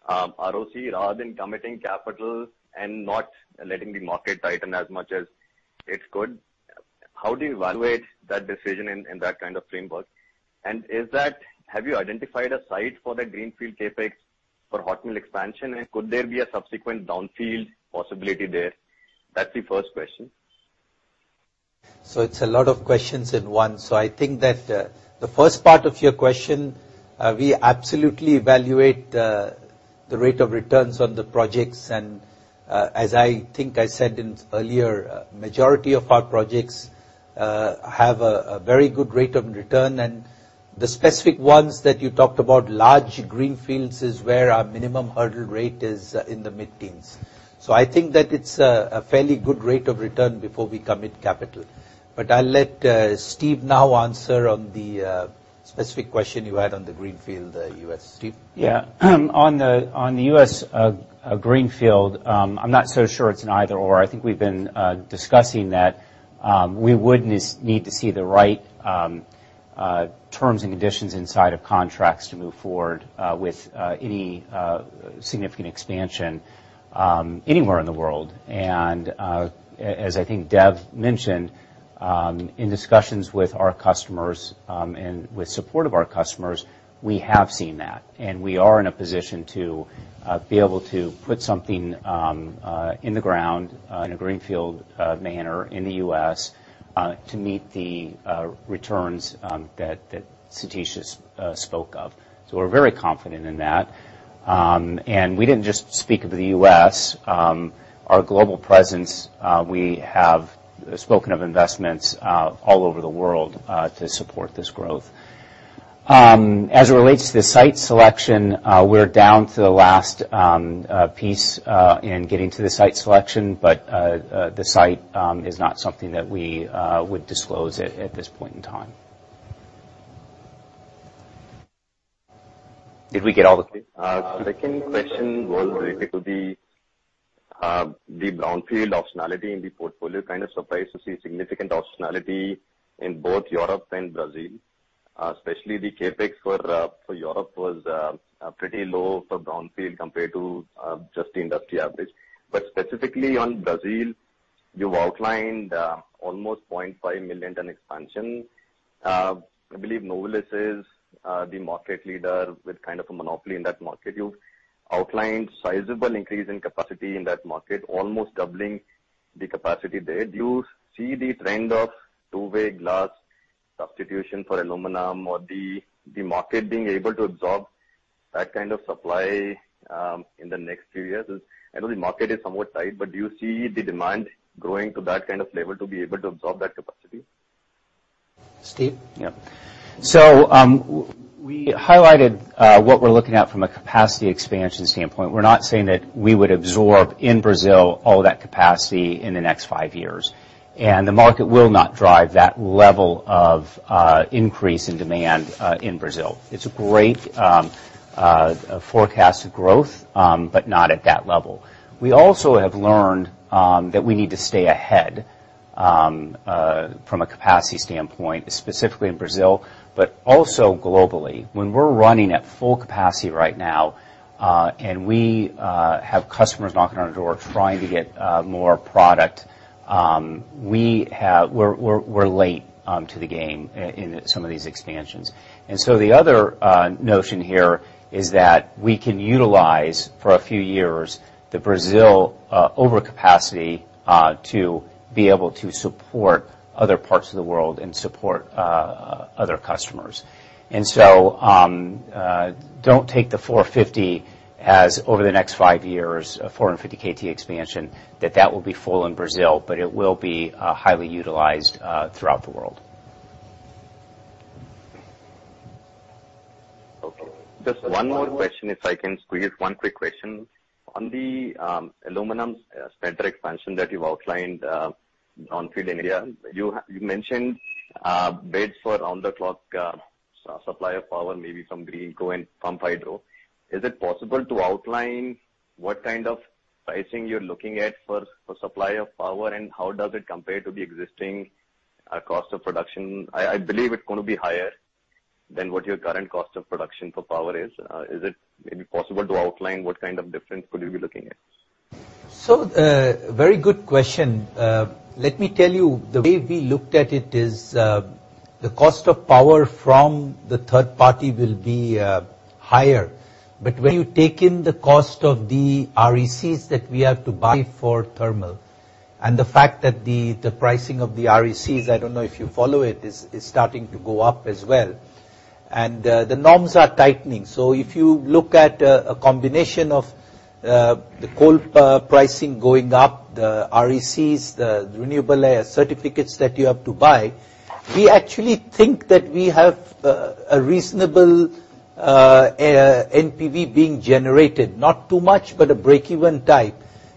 Speaker 14: ROC rather than committing capital and not letting the market tighten as much as it could. How do you evaluate that decision in that kind of framework? And have you identified a site for the greenfield CapEx for hot mill expansion? And could there be a subsequent downstream possibility there? That's the first question.
Speaker 1: It's a lot of questions in one. I think that the first part of your question, we absolutely evaluate the rate of returns on the projects. As I think I said earlier, majority of our projects have a very good rate of return. The specific ones that you talked about, large greenfields, is where our minimum hurdle rate is in the mid-teens. I think that it's a fairly good rate of return before we commit capital. I'll let Steve now answer on the specific question you had on the greenfield U.S.. Steve.
Speaker 3: Yeah. On the U.S. greenfield, I'm not so sure it's an either/or. I think we've been discussing that we would need to see the right terms and conditions inside of contracts to move forward with any significant expansion anywhere in the world. As I think Dev mentioned, in discussions with our customers and with support of our customers, we have seen that, and we are in a position to be able to put something in the ground in a greenfield manner in the U.S. to meet the returns that Satish has spoke of. We're very confident in that. We didn't just speak of the U.S., our global presence. We have spoken of investments all over the world to support this growth. As it relates to the site selection, we're down to the last piece in getting to the site selection, but the site is not something that we would disclose at this point in time.
Speaker 14: Did we get all three? Second question was related to the brownfield optionality in the portfolio. Kind of surprised to see significant optionality in both Europe and Brazil, especially the CapEx for Europe was pretty low for brownfield compared to just the industry average. Specifically on Brazil, you've outlined almost 0.5 million ton expansion. I believe Novelis is the market leader with kind of a monopoly in that market. You've outlined sizable increase in capacity in that market, almost doubling the capacity there. Do you see the trend of two-way glass substitution for aluminum or the market being able to absorb that kind of supply in the next few years? I know the market is somewhat tight, but do you see the demand growing to that kind of level to be able to absorb that capacity?
Speaker 1: Steve?
Speaker 3: We highlighted what we're looking at from a capacity expansion standpoint. We're not saying that we would absorb in Brazil all that capacity in the next five years. The market will not drive that level of increase in demand in Brazil. It's a great forecast of growth, but not at that level. We also have learned that we need to stay ahead from a capacity standpoint, specifically in Brazil, but also globally. When we're running at full capacity right now and we have customers knocking on our door trying to get more product, we're late to the game in some of these expansions. The other notion here is that we can utilize for a few years the Brazilian overcapacity to be able to support other parts of the world and support other customers. Don't take the 450 as over the next five years, 450 KT expansion, that will be full in Brazil, but it will be highly utilized throughout the world.
Speaker 14: Okay. Just one more question, if I can squeeze one quick question. On the aluminum center expansion that you've outlined on field in India, you mentioned bids for ongoing supply of power, maybe from Greenko and from hydro. Is it possible to outline what kind of pricing you're looking at for supply of power, and how does it compare to the existing cost of production? I believe it's gonna be higher than what your current cost of production for power is. Is it maybe possible to outline what kind of difference could you be looking at?
Speaker 1: Very good question. Let me tell you, the way we looked at it is, the cost of power from the third party will be higher. But when you take in the cost of the RECs that we have to buy for thermal, and the fact that the pricing of the RECs, I don't know if you follow it, is starting to go up as well. The norms are tightening. If you look at a combination of the coal pricing going up, the RECs, the renewable certificates that you have to buy, we actually think that we have a reasonable NPV being generated. Not too much, but a break-even type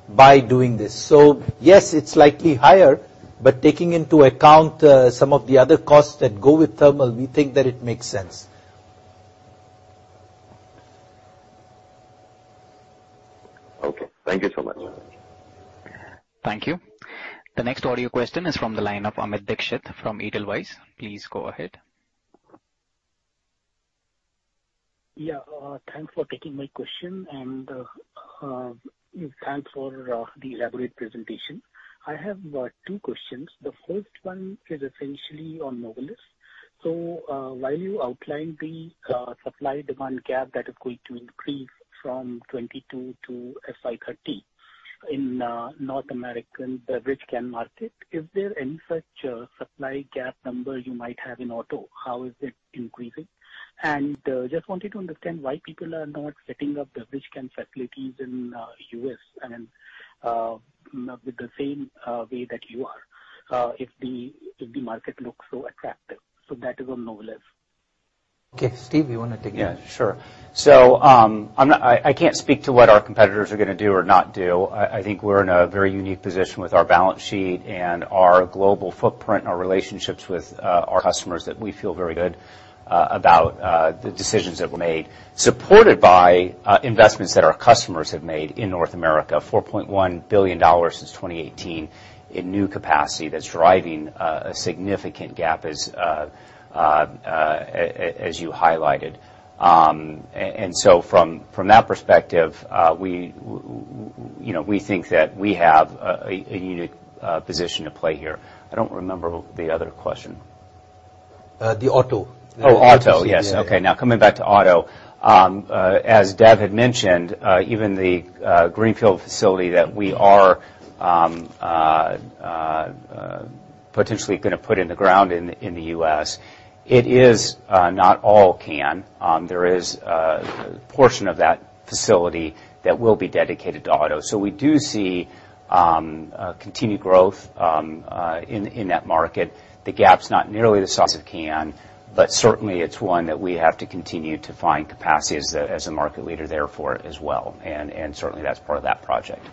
Speaker 1: by doing this. Yes, it's slightly higher, but taking into account some of the other costs that go with thermal, we think that it makes sense.
Speaker 14: Okay. Thank you so much.
Speaker 6: Thank you. The next audio question is from the line of Amit Dixit from Edelweiss. Please go ahead.
Speaker 15: Yeah. Thanks for taking my question and thanks for the elaborate presentation. I have two questions. The first one is essentially on Novelis. While you outlined the supply demand gap that is going to increase from 2022 to FY 2030 in North American beverage can market, is there any such supply gap number you might have in auto? How is it increasing? Just wanted to understand why people are not setting up the beverage can facilities in the U.S. and not with the same way that you are if the market looks so attractive. That is on Novelis.
Speaker 1: Okay. Steve, you wanna take that?
Speaker 3: Yeah, sure. I'm not I can't speak to what our competitors are gonna do or not do. I think we're in a very unique position with our balance sheet and our global footprint and our relationships with our customers that we feel very good about the decisions that were made, supported by investments that our customers have made in North America, $4.1 billion since 2018 in new capacity that's driving a significant gap as you highlighted. And so from that perspective, we you know, we think that we have a unique position to play here. I don't remember the other question.
Speaker 1: The auto.
Speaker 3: Oh, auto. Yes. Okay. Now coming back to auto. As Dev had mentioned, even the greenfield facility that we are potentially gonna put in the ground in the U.S. It is not all can. There is a portion of that facility that will be dedicated to auto. We do see continued growth in that market. The cap's not nearly the size of can, but certainly it's one that we have to continue to find capacity as a market leader there for it as well. Certainly that's part of that project.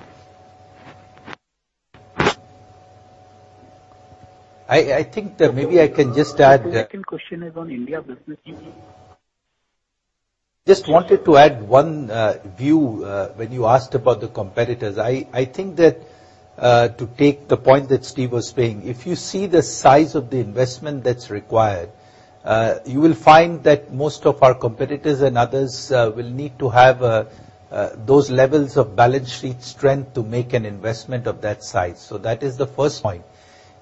Speaker 1: I think that maybe I can just add.
Speaker 15: The second question is on India business, AP.
Speaker 1: Just wanted to add one view when you asked about the competitors. I think that to take the point that Steve was saying, if you see the size of the investment that's required, you will find that most of our competitors and others will need to have those levels of balance sheet strength to make an investment of that size. So that is the first point.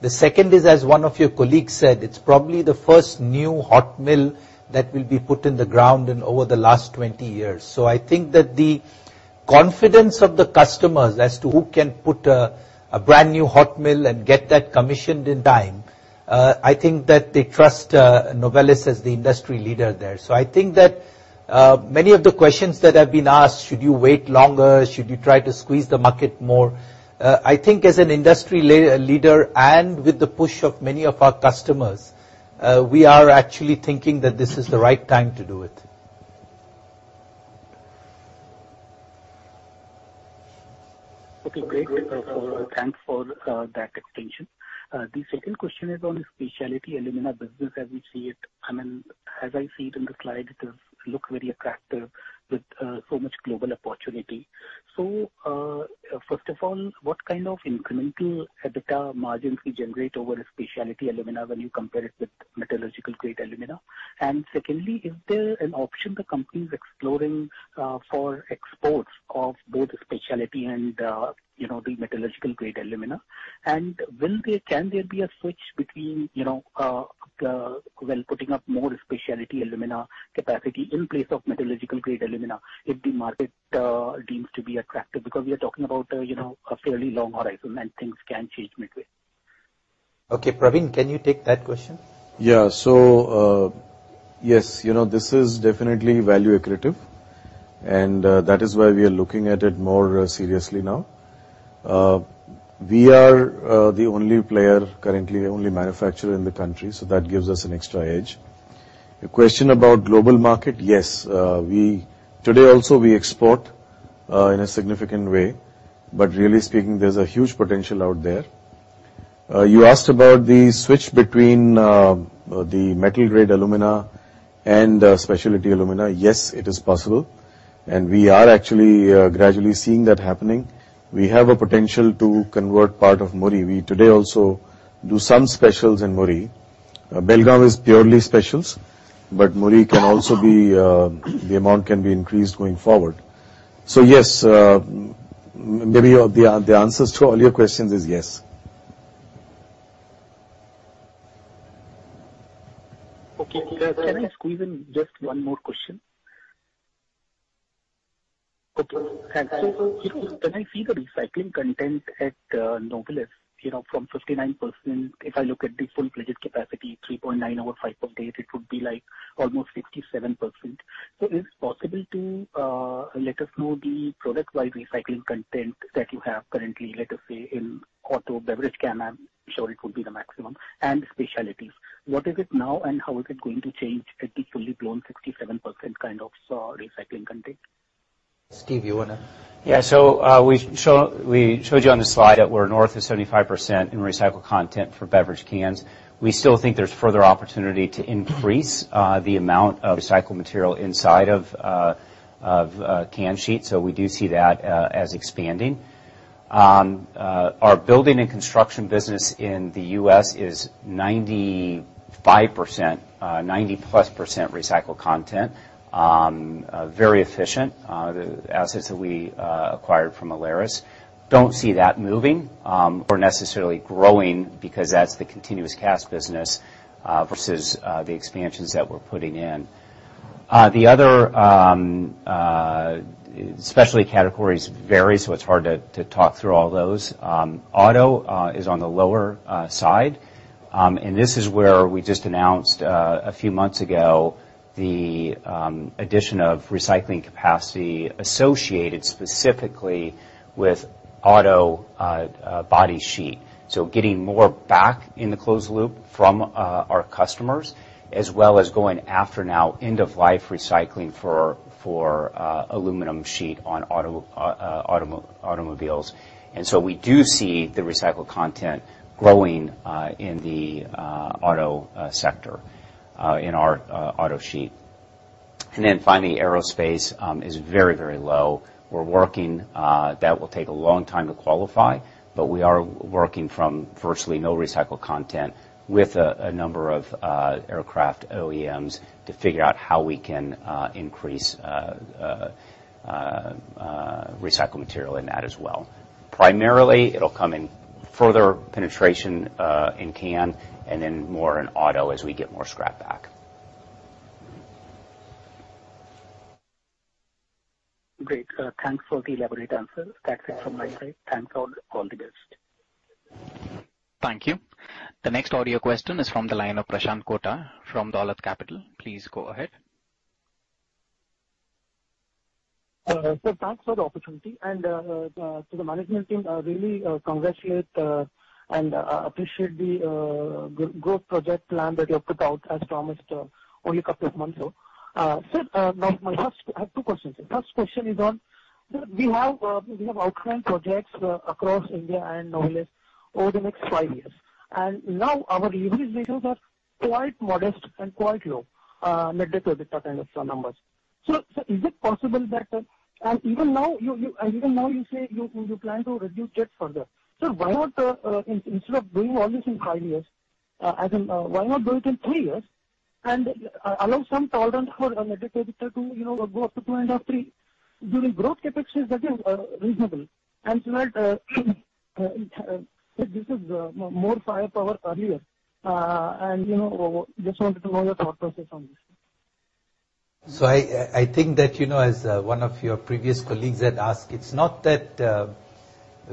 Speaker 1: The second is, as one of your colleagues said, it's probably the first new hot mill that will be put in the ground in over the last 20 years. So I think that the confidence of the customers as to who can put a brand-new hot mill and get that commissioned in time, I think that they trust Novelis as the industry leader there. I think that many of the questions that have been asked, should you wait longer? Should you try to squeeze the market more? I think as an industry leader and with the push of many of our customers, we are actually thinking that this is the right time to do it.
Speaker 15: Okay, great. Thanks for that extension. The second question is on specialty alumina business as we see it. I mean, as I see it in the slide, it does look very attractive with so much global opportunity. First of all, what kind of incremental EBITDA margins we generate over specialty alumina when you compare it with metallurgical-grade alumina? Secondly, is there an option the company's exploring for exports of both specialty and, you know, the metallurgical-grade alumina? Can there be a switch between, you know, well, putting up more specialty alumina capacity in place of metallurgical-grade alumina if the market deems to be attractive? Because we are talking about, you know, a fairly long horizon and things can change midway.
Speaker 1: Okay, Praveen, can you take that question?
Speaker 5: Yeah. Yes, you know, this is definitely value accretive, and that is why we are looking at it more seriously now. We are the only player currently, the only manufacturer in the country, so that gives us an extra edge. The question about global market, yes, we today also export in a significant way, but really speaking, there's a huge potential out there. You asked about the switch between the metal-grade alumina and specialty alumina. Yes, it is possible, and we are actually gradually seeing that happening. We have a potential to convert part of Muri. We today also do some specials in Muri. Belgaum is purely specials, but Muri can also be, the amount can be increased going forward. Yes, maybe the answers to all your questions is yes.
Speaker 15: Okay. Can I squeeze in just one more question? Okay, thanks. You know, when I see the recycling content at Novelis, you know, from 59%, if I look at the full phased capacity, 3.9 over five days, it would be like almost 67%. Is it possible to let us know the product-wide recycling content that you have currently, let us say in auto, beverage can, I'm sure it would be the maximum, and specialties. What is it now and how is it going to change at the full-blown 67% kind of recycling content?
Speaker 1: Steve, you wanna?
Speaker 3: Yeah, we showed you on the slide that we're north of 75% in recycled content for beverage cans. We still think there's further opportunity to increase the amount of recycled material inside of can sheets, so we do see that as expanding. Our building and construction business in the U.S. is 90%+ recycled content. Very efficient. The assets that we acquired from Aleris, we don't see that moving or necessarily growing because that's the continuous cast business versus the expansions that we're putting in. The other specialty categories vary, so it's hard to talk through all those. Auto is on the lower side. This is where we just announced a few months ago the addition of recycling capacity associated specifically with auto body sheet. Getting more back in the closed loop from our customers, as well as going after now end-of-life recycling for aluminum sheet on automobiles. We do see the recycled content growing in the auto sector in our auto sheet. Then finally, aerospace is very, very low. We're working, that will take a long time to qualify, but we are working from virtually no recycled content with a number of aircraft OEMs to figure out how we can increase recycled material in that as well. Primarily, it'll come in further penetration, in can, and then more in auto as we get more scrap back.
Speaker 15: Great. Thanks for the elaborate answer. That's it from my side. Thanks all. All the best.
Speaker 6: Thank you. The next audio question is from the line of Prashanth Kota from Dolat Capital. Please go ahead.
Speaker 16: Thanks for the opportunity and to the management team, I really congratulate and appreciate the growth project plan that you have put out as promised only a couple of months ago. I have two questions. First question is on, sir, we have outstanding projects across India and Novelis over the next five years, and now our leverage ratios are quite modest and quite low, net debt to EBITDA kind of numbers. Is it possible that, and even now you say you plan to reduce debt further. Why not, instead of doing all this in five years, as in, why not do it in three years and allow some tolerance for net debt to EBITDA to, you know, go up to 2.5, three during growth CapEx years that are reasonable and so that this is more firepower earlier, and, you know, just wanted to know your thought process on this.
Speaker 1: I think that, you know, one of your previous colleagues had asked, it's not that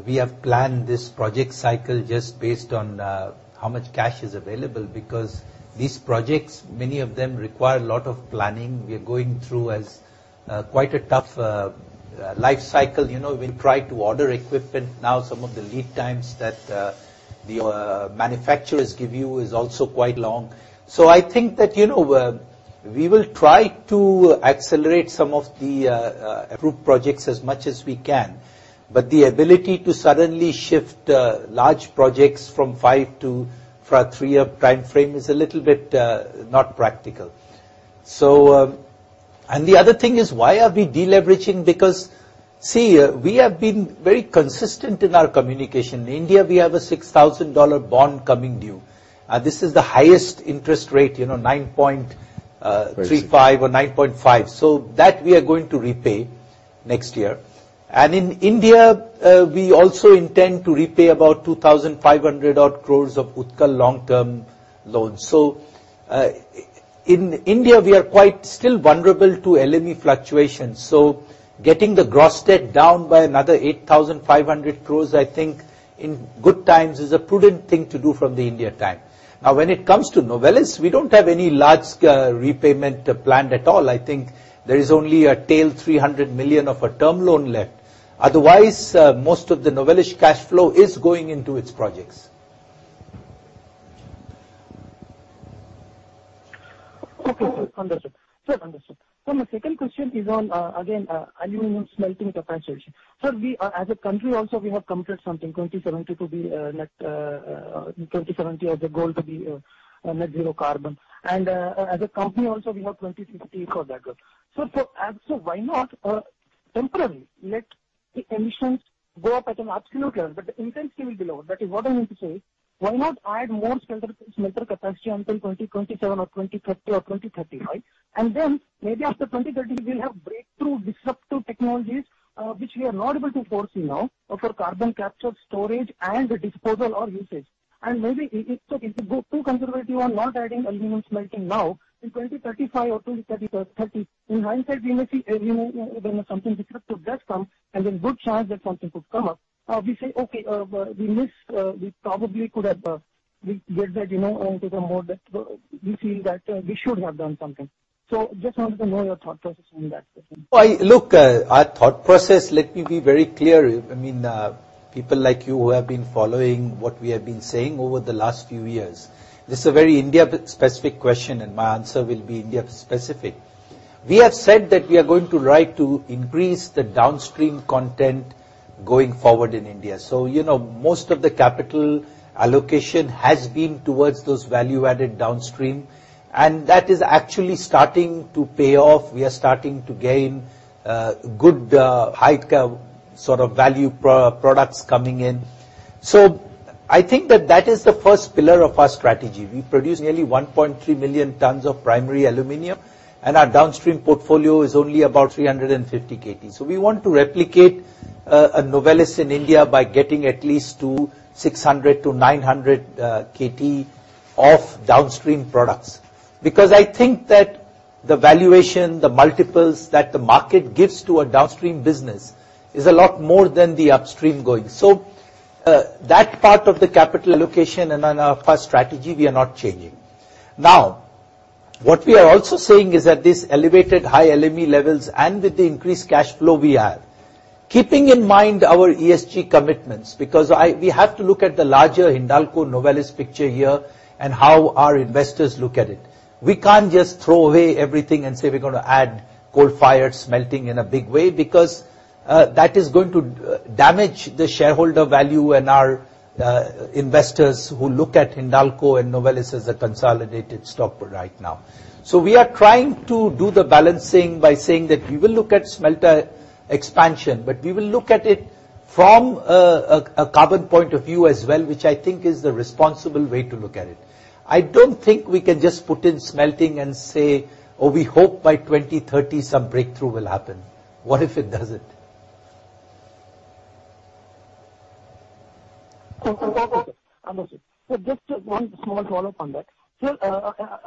Speaker 1: we have planned this project cycle just based on how much cash is available, because these projects, many of them require a lot of planning. We are going through quite a tough life cycle. You know, we'll try to order equipment now. Some of the lead times that the manufacturers give you is also quite long. I think that, you know, we will try to accelerate some of the approved projects as much as we can, but the ability to suddenly shift large projects from five to three-year time frame is a little bit not practical. The other thing is, why are we de-leveraging? Because, see, we have been very consistent in our communication. In India, we have a $600 million bond coming due. This is the highest interest rate, you know, 9.35% or 9.5%. That we are going to repay next year. In India, we also intend to repay about 2,500 crore of Utkal long-term loans. In India, we are quite still vulnerable to LME fluctuations, so getting the gross debt down by another 8,500 crore, I think in good times is a prudent thing to do from the India time. Now, when it comes to Novelis, we don't have any large repayment planned at all. I think there is only a tail $300 million of a term loan left. Otherwise, most of the Novelis cash flow is going into its projects.
Speaker 16: Okay. Understood. Sure. Understood. My second question is on again aluminum smelting capacity. We are, as a country also, we have committed something 2070 to be net zero carbon. As a company also we have 2060 for that. Absolutely why not temporarily let the emissions go up at an absolute level, but the intensity will be lower. That is what I mean to say. Why not add more smelter capacity until 2027 or 2030 or 2035, and then maybe after 2030 we'll have breakthrough disruptive technologies which we are not able to foresee now for carbon capture storage and disposal or usage. Maybe if we go too conservative on not adding aluminum smelting now, in 2035 or 2030, in hindsight, we may see aluminum, you know, something disruptive does come, and there's good chance that something could come up. We say, "Okay, we missed, we probably could have, we get that, you know, and take a more. That we feel that we should have done something." Just wanted to know your thought process on that question.
Speaker 1: Well, look, our thought process, let me be very clear. I mean, people like you who have been following what we have been saying over the last few years, this is a very India-specific question, and my answer will be India-specific. We have said that we are going to invest to increase the downstream content going forward in India. You know, most of the capital allocation has been towards those value-added downstream, and that is actually starting to pay off. We are starting to gain good high sort of value-added products coming in. I think that is the first pillar of our strategy. We produce nearly 1.3 million tons of primary aluminum and our downstream portfolio is only about 350 KT. We want to replicate Novelis in India by getting at least to 600-900 KT of downstream products. Because I think that the valuation, the multiples that the market gives to a downstream business is a lot more than the upstream going. That part of the capital allocation and on our first strategy, we are not changing. Now, what we are also saying is at this elevated high LME levels and with the increased cash flow we have, keeping in mind our ESG commitments, because we have to look at the larger Hindalco Novelis picture here and how our investors look at it. We can't just throw away everything and say we're gonna add coal-fired smelting in a big way because that is going to damage the shareholder value and our investors who look at Hindalco and Novelis as a consolidated stock right now. We are trying to do the balancing by saying that we will look at smelter expansion, but we will look at it from a carbon point of view as well, which I think is the responsible way to look at it. I don't think we can just put in smelting and say, "Oh, we hope by 2030 some breakthrough will happen." What if it doesn't?
Speaker 16: Understood. Just one small follow-up on that.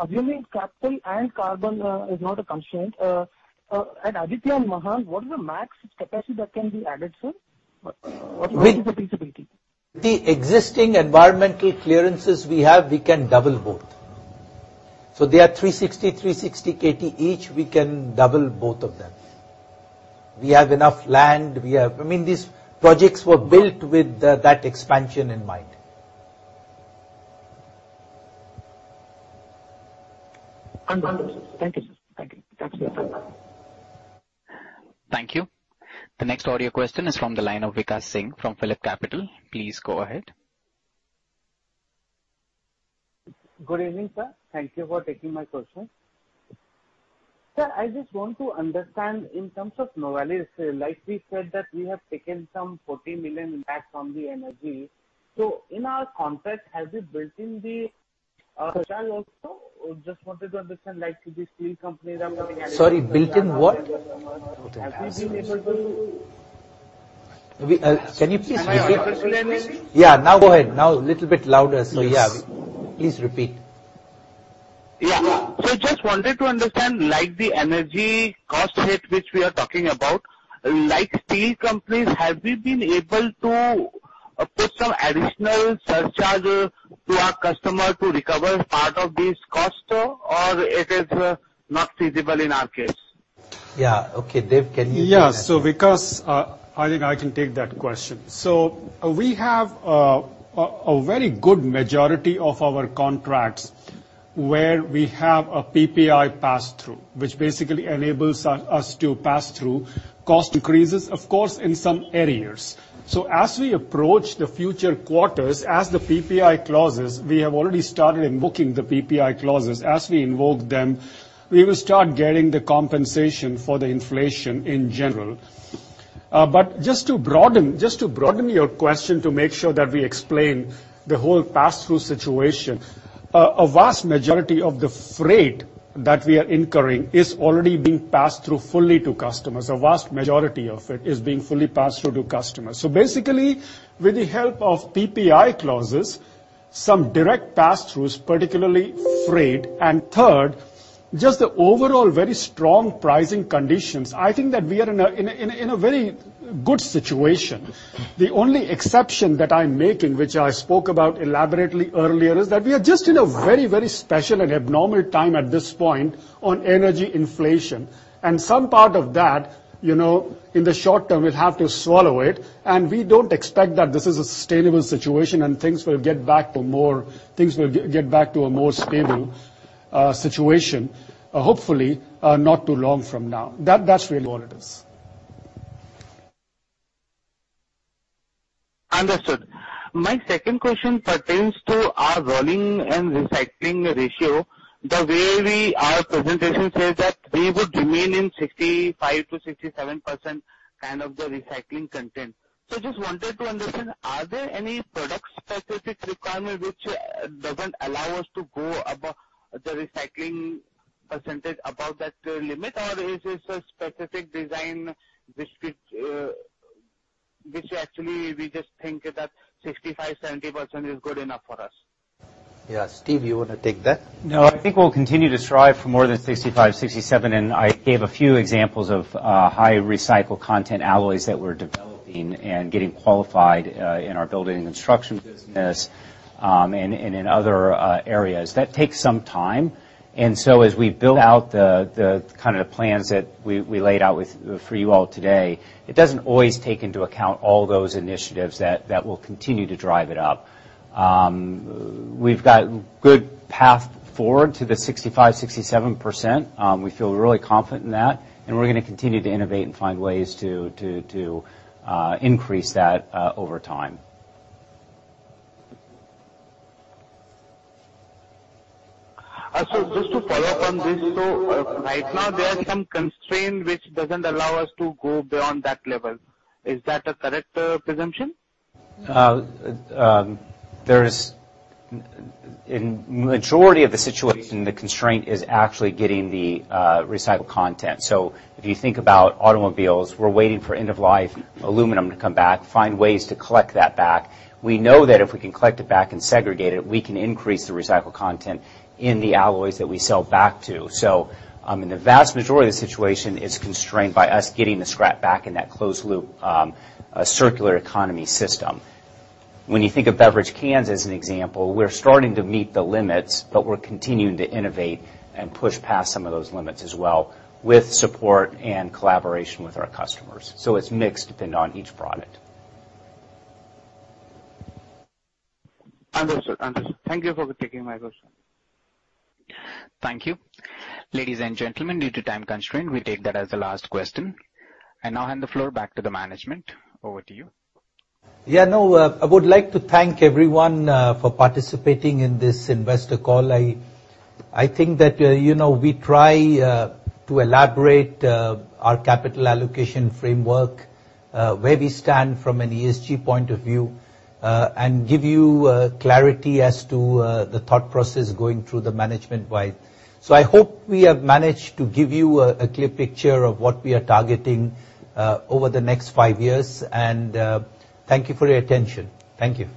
Speaker 16: Assuming capital and carbon is not a constraint, at Aditya and Mahan, what is the max capacity that can be added, sir? What is the feasibility?
Speaker 1: With the existing environmental clearances we have, we can double both. They are 360 KT each. We can double both of them. We have enough land. I mean, these projects were built with that expansion in mind.
Speaker 16: Wonderful. Thank you, sir. Thank you. That's clear. Thank you.
Speaker 6: Thank you. The next audio question is from the line of Vikash Singh from PhillipCapital. Please go ahead.
Speaker 17: Good evening, sir. Thank you for taking my question. Sir, I just want to understand in terms of Novelis, like we said that we have taken some $14 million impact from the energy. In our contract, have you built in the charge also? Just wanted to understand, like the steel companies are-
Speaker 1: Sorry, built in what?
Speaker 17: Have we been able to?
Speaker 1: Can you please repeat?
Speaker 17: Am I audible, sir, maybe?
Speaker 1: Yeah, now go ahead. Now a little bit louder, sir. Yeah. Please repeat.
Speaker 17: Yeah. Just wanted to understand, like the energy cost hit, which we are talking about, like steel companies, have we been able to put some additional surcharge to our customer to recover part of this cost, or it is not feasible in our case?
Speaker 1: Yeah. Okay. Dev, can you take that?
Speaker 4: Yeah. Vikas, I think I can take that question. We have a very good majority of our contracts where we have a PPI pass-through, which basically enables us to pass through cost increases, of course, in some areas. As we approach the future quarters, we have already started invoking the PPI clauses. As we invoke them, we will start getting the compensation for the inflation in general. Just to broaden your question to make sure that we explain the whole pass-through situation, a vast majority of the freight that we are incurring is already being passed through fully to customers. A vast majority of it is being fully passed through to customers. Basically, with the help of PPI clauses, some direct pass-throughs, particularly freight, and third, just the overall very strong pricing conditions, I think that we are in a very good situation. The only exception that I'm making, which I spoke about elaborately earlier, is that we are just in a very special and abnormal time at this point on energy inflation. Some part of that, you know, in the short term, we'll have to swallow it, and we don't expect that this is a sustainable situation and things will get back to a more stable situation, hopefully, not too long from now. That's really what it is.
Speaker 17: Understood. My second question pertains to our rolling and recycling ratio. Our presentation says that we would remain in 65%-67% kind of the recycling content. Just wanted to understand, are there any product specific requirement which doesn't allow us to go above the recycling percentage above that limit, or is this a specific design which actually we just think that 65%-70% is good enough for us?
Speaker 1: Yeah. Steve, you wanna take that?
Speaker 3: No, I think we'll continue to strive for more than 65%-67%, and I gave a few examples of high recycled content alloys that we're developing and getting qualified in our building and construction business, and in other areas. That takes some time. As we build out the kind of plans that we laid out for you all today, it doesn't always take into account all those initiatives that will continue to drive it up. We've got a good path forward to the 65%-67%. We feel really confident in that, and we're gonna continue to innovate and find ways to increase that over time.
Speaker 17: Just to follow up on this. Right now there are some constraints which don't allow us to go beyond that level. Is that a correct presumption?
Speaker 3: In majority of the situation, the constraint is actually getting the recycled content. If you think about automobiles, we're waiting for end-of-life aluminum to come back, find ways to collect that back. We know that if we can collect it back and segregate it, we can increase the recycled content in the alloys that we sell back to. In the vast majority of the situation is constrained by us getting the scrap back in that closed loop, circular economy system. When you think of beverage cans as an example, we're starting to meet the limits, but we're continuing to innovate and push past some of those limits as well with support and collaboration with our customers. It's mixed depending on each product.
Speaker 17: Understood. Thank you for taking my question.
Speaker 6: Thank you. Ladies and gentlemen, due to time constraint, we take that as the last question. I now hand the floor back to the management. Over to you.
Speaker 1: Yeah, no, I would like to thank everyone for participating in this investor call. I think that you know, we try to elaborate our capital allocation framework, where we stand from an ESG point of view, and give you clarity as to the thought process going through the management-wide. I hope we have managed to give you a clear picture of what we are targeting over the next five years. Thank you for your attention. Thank you.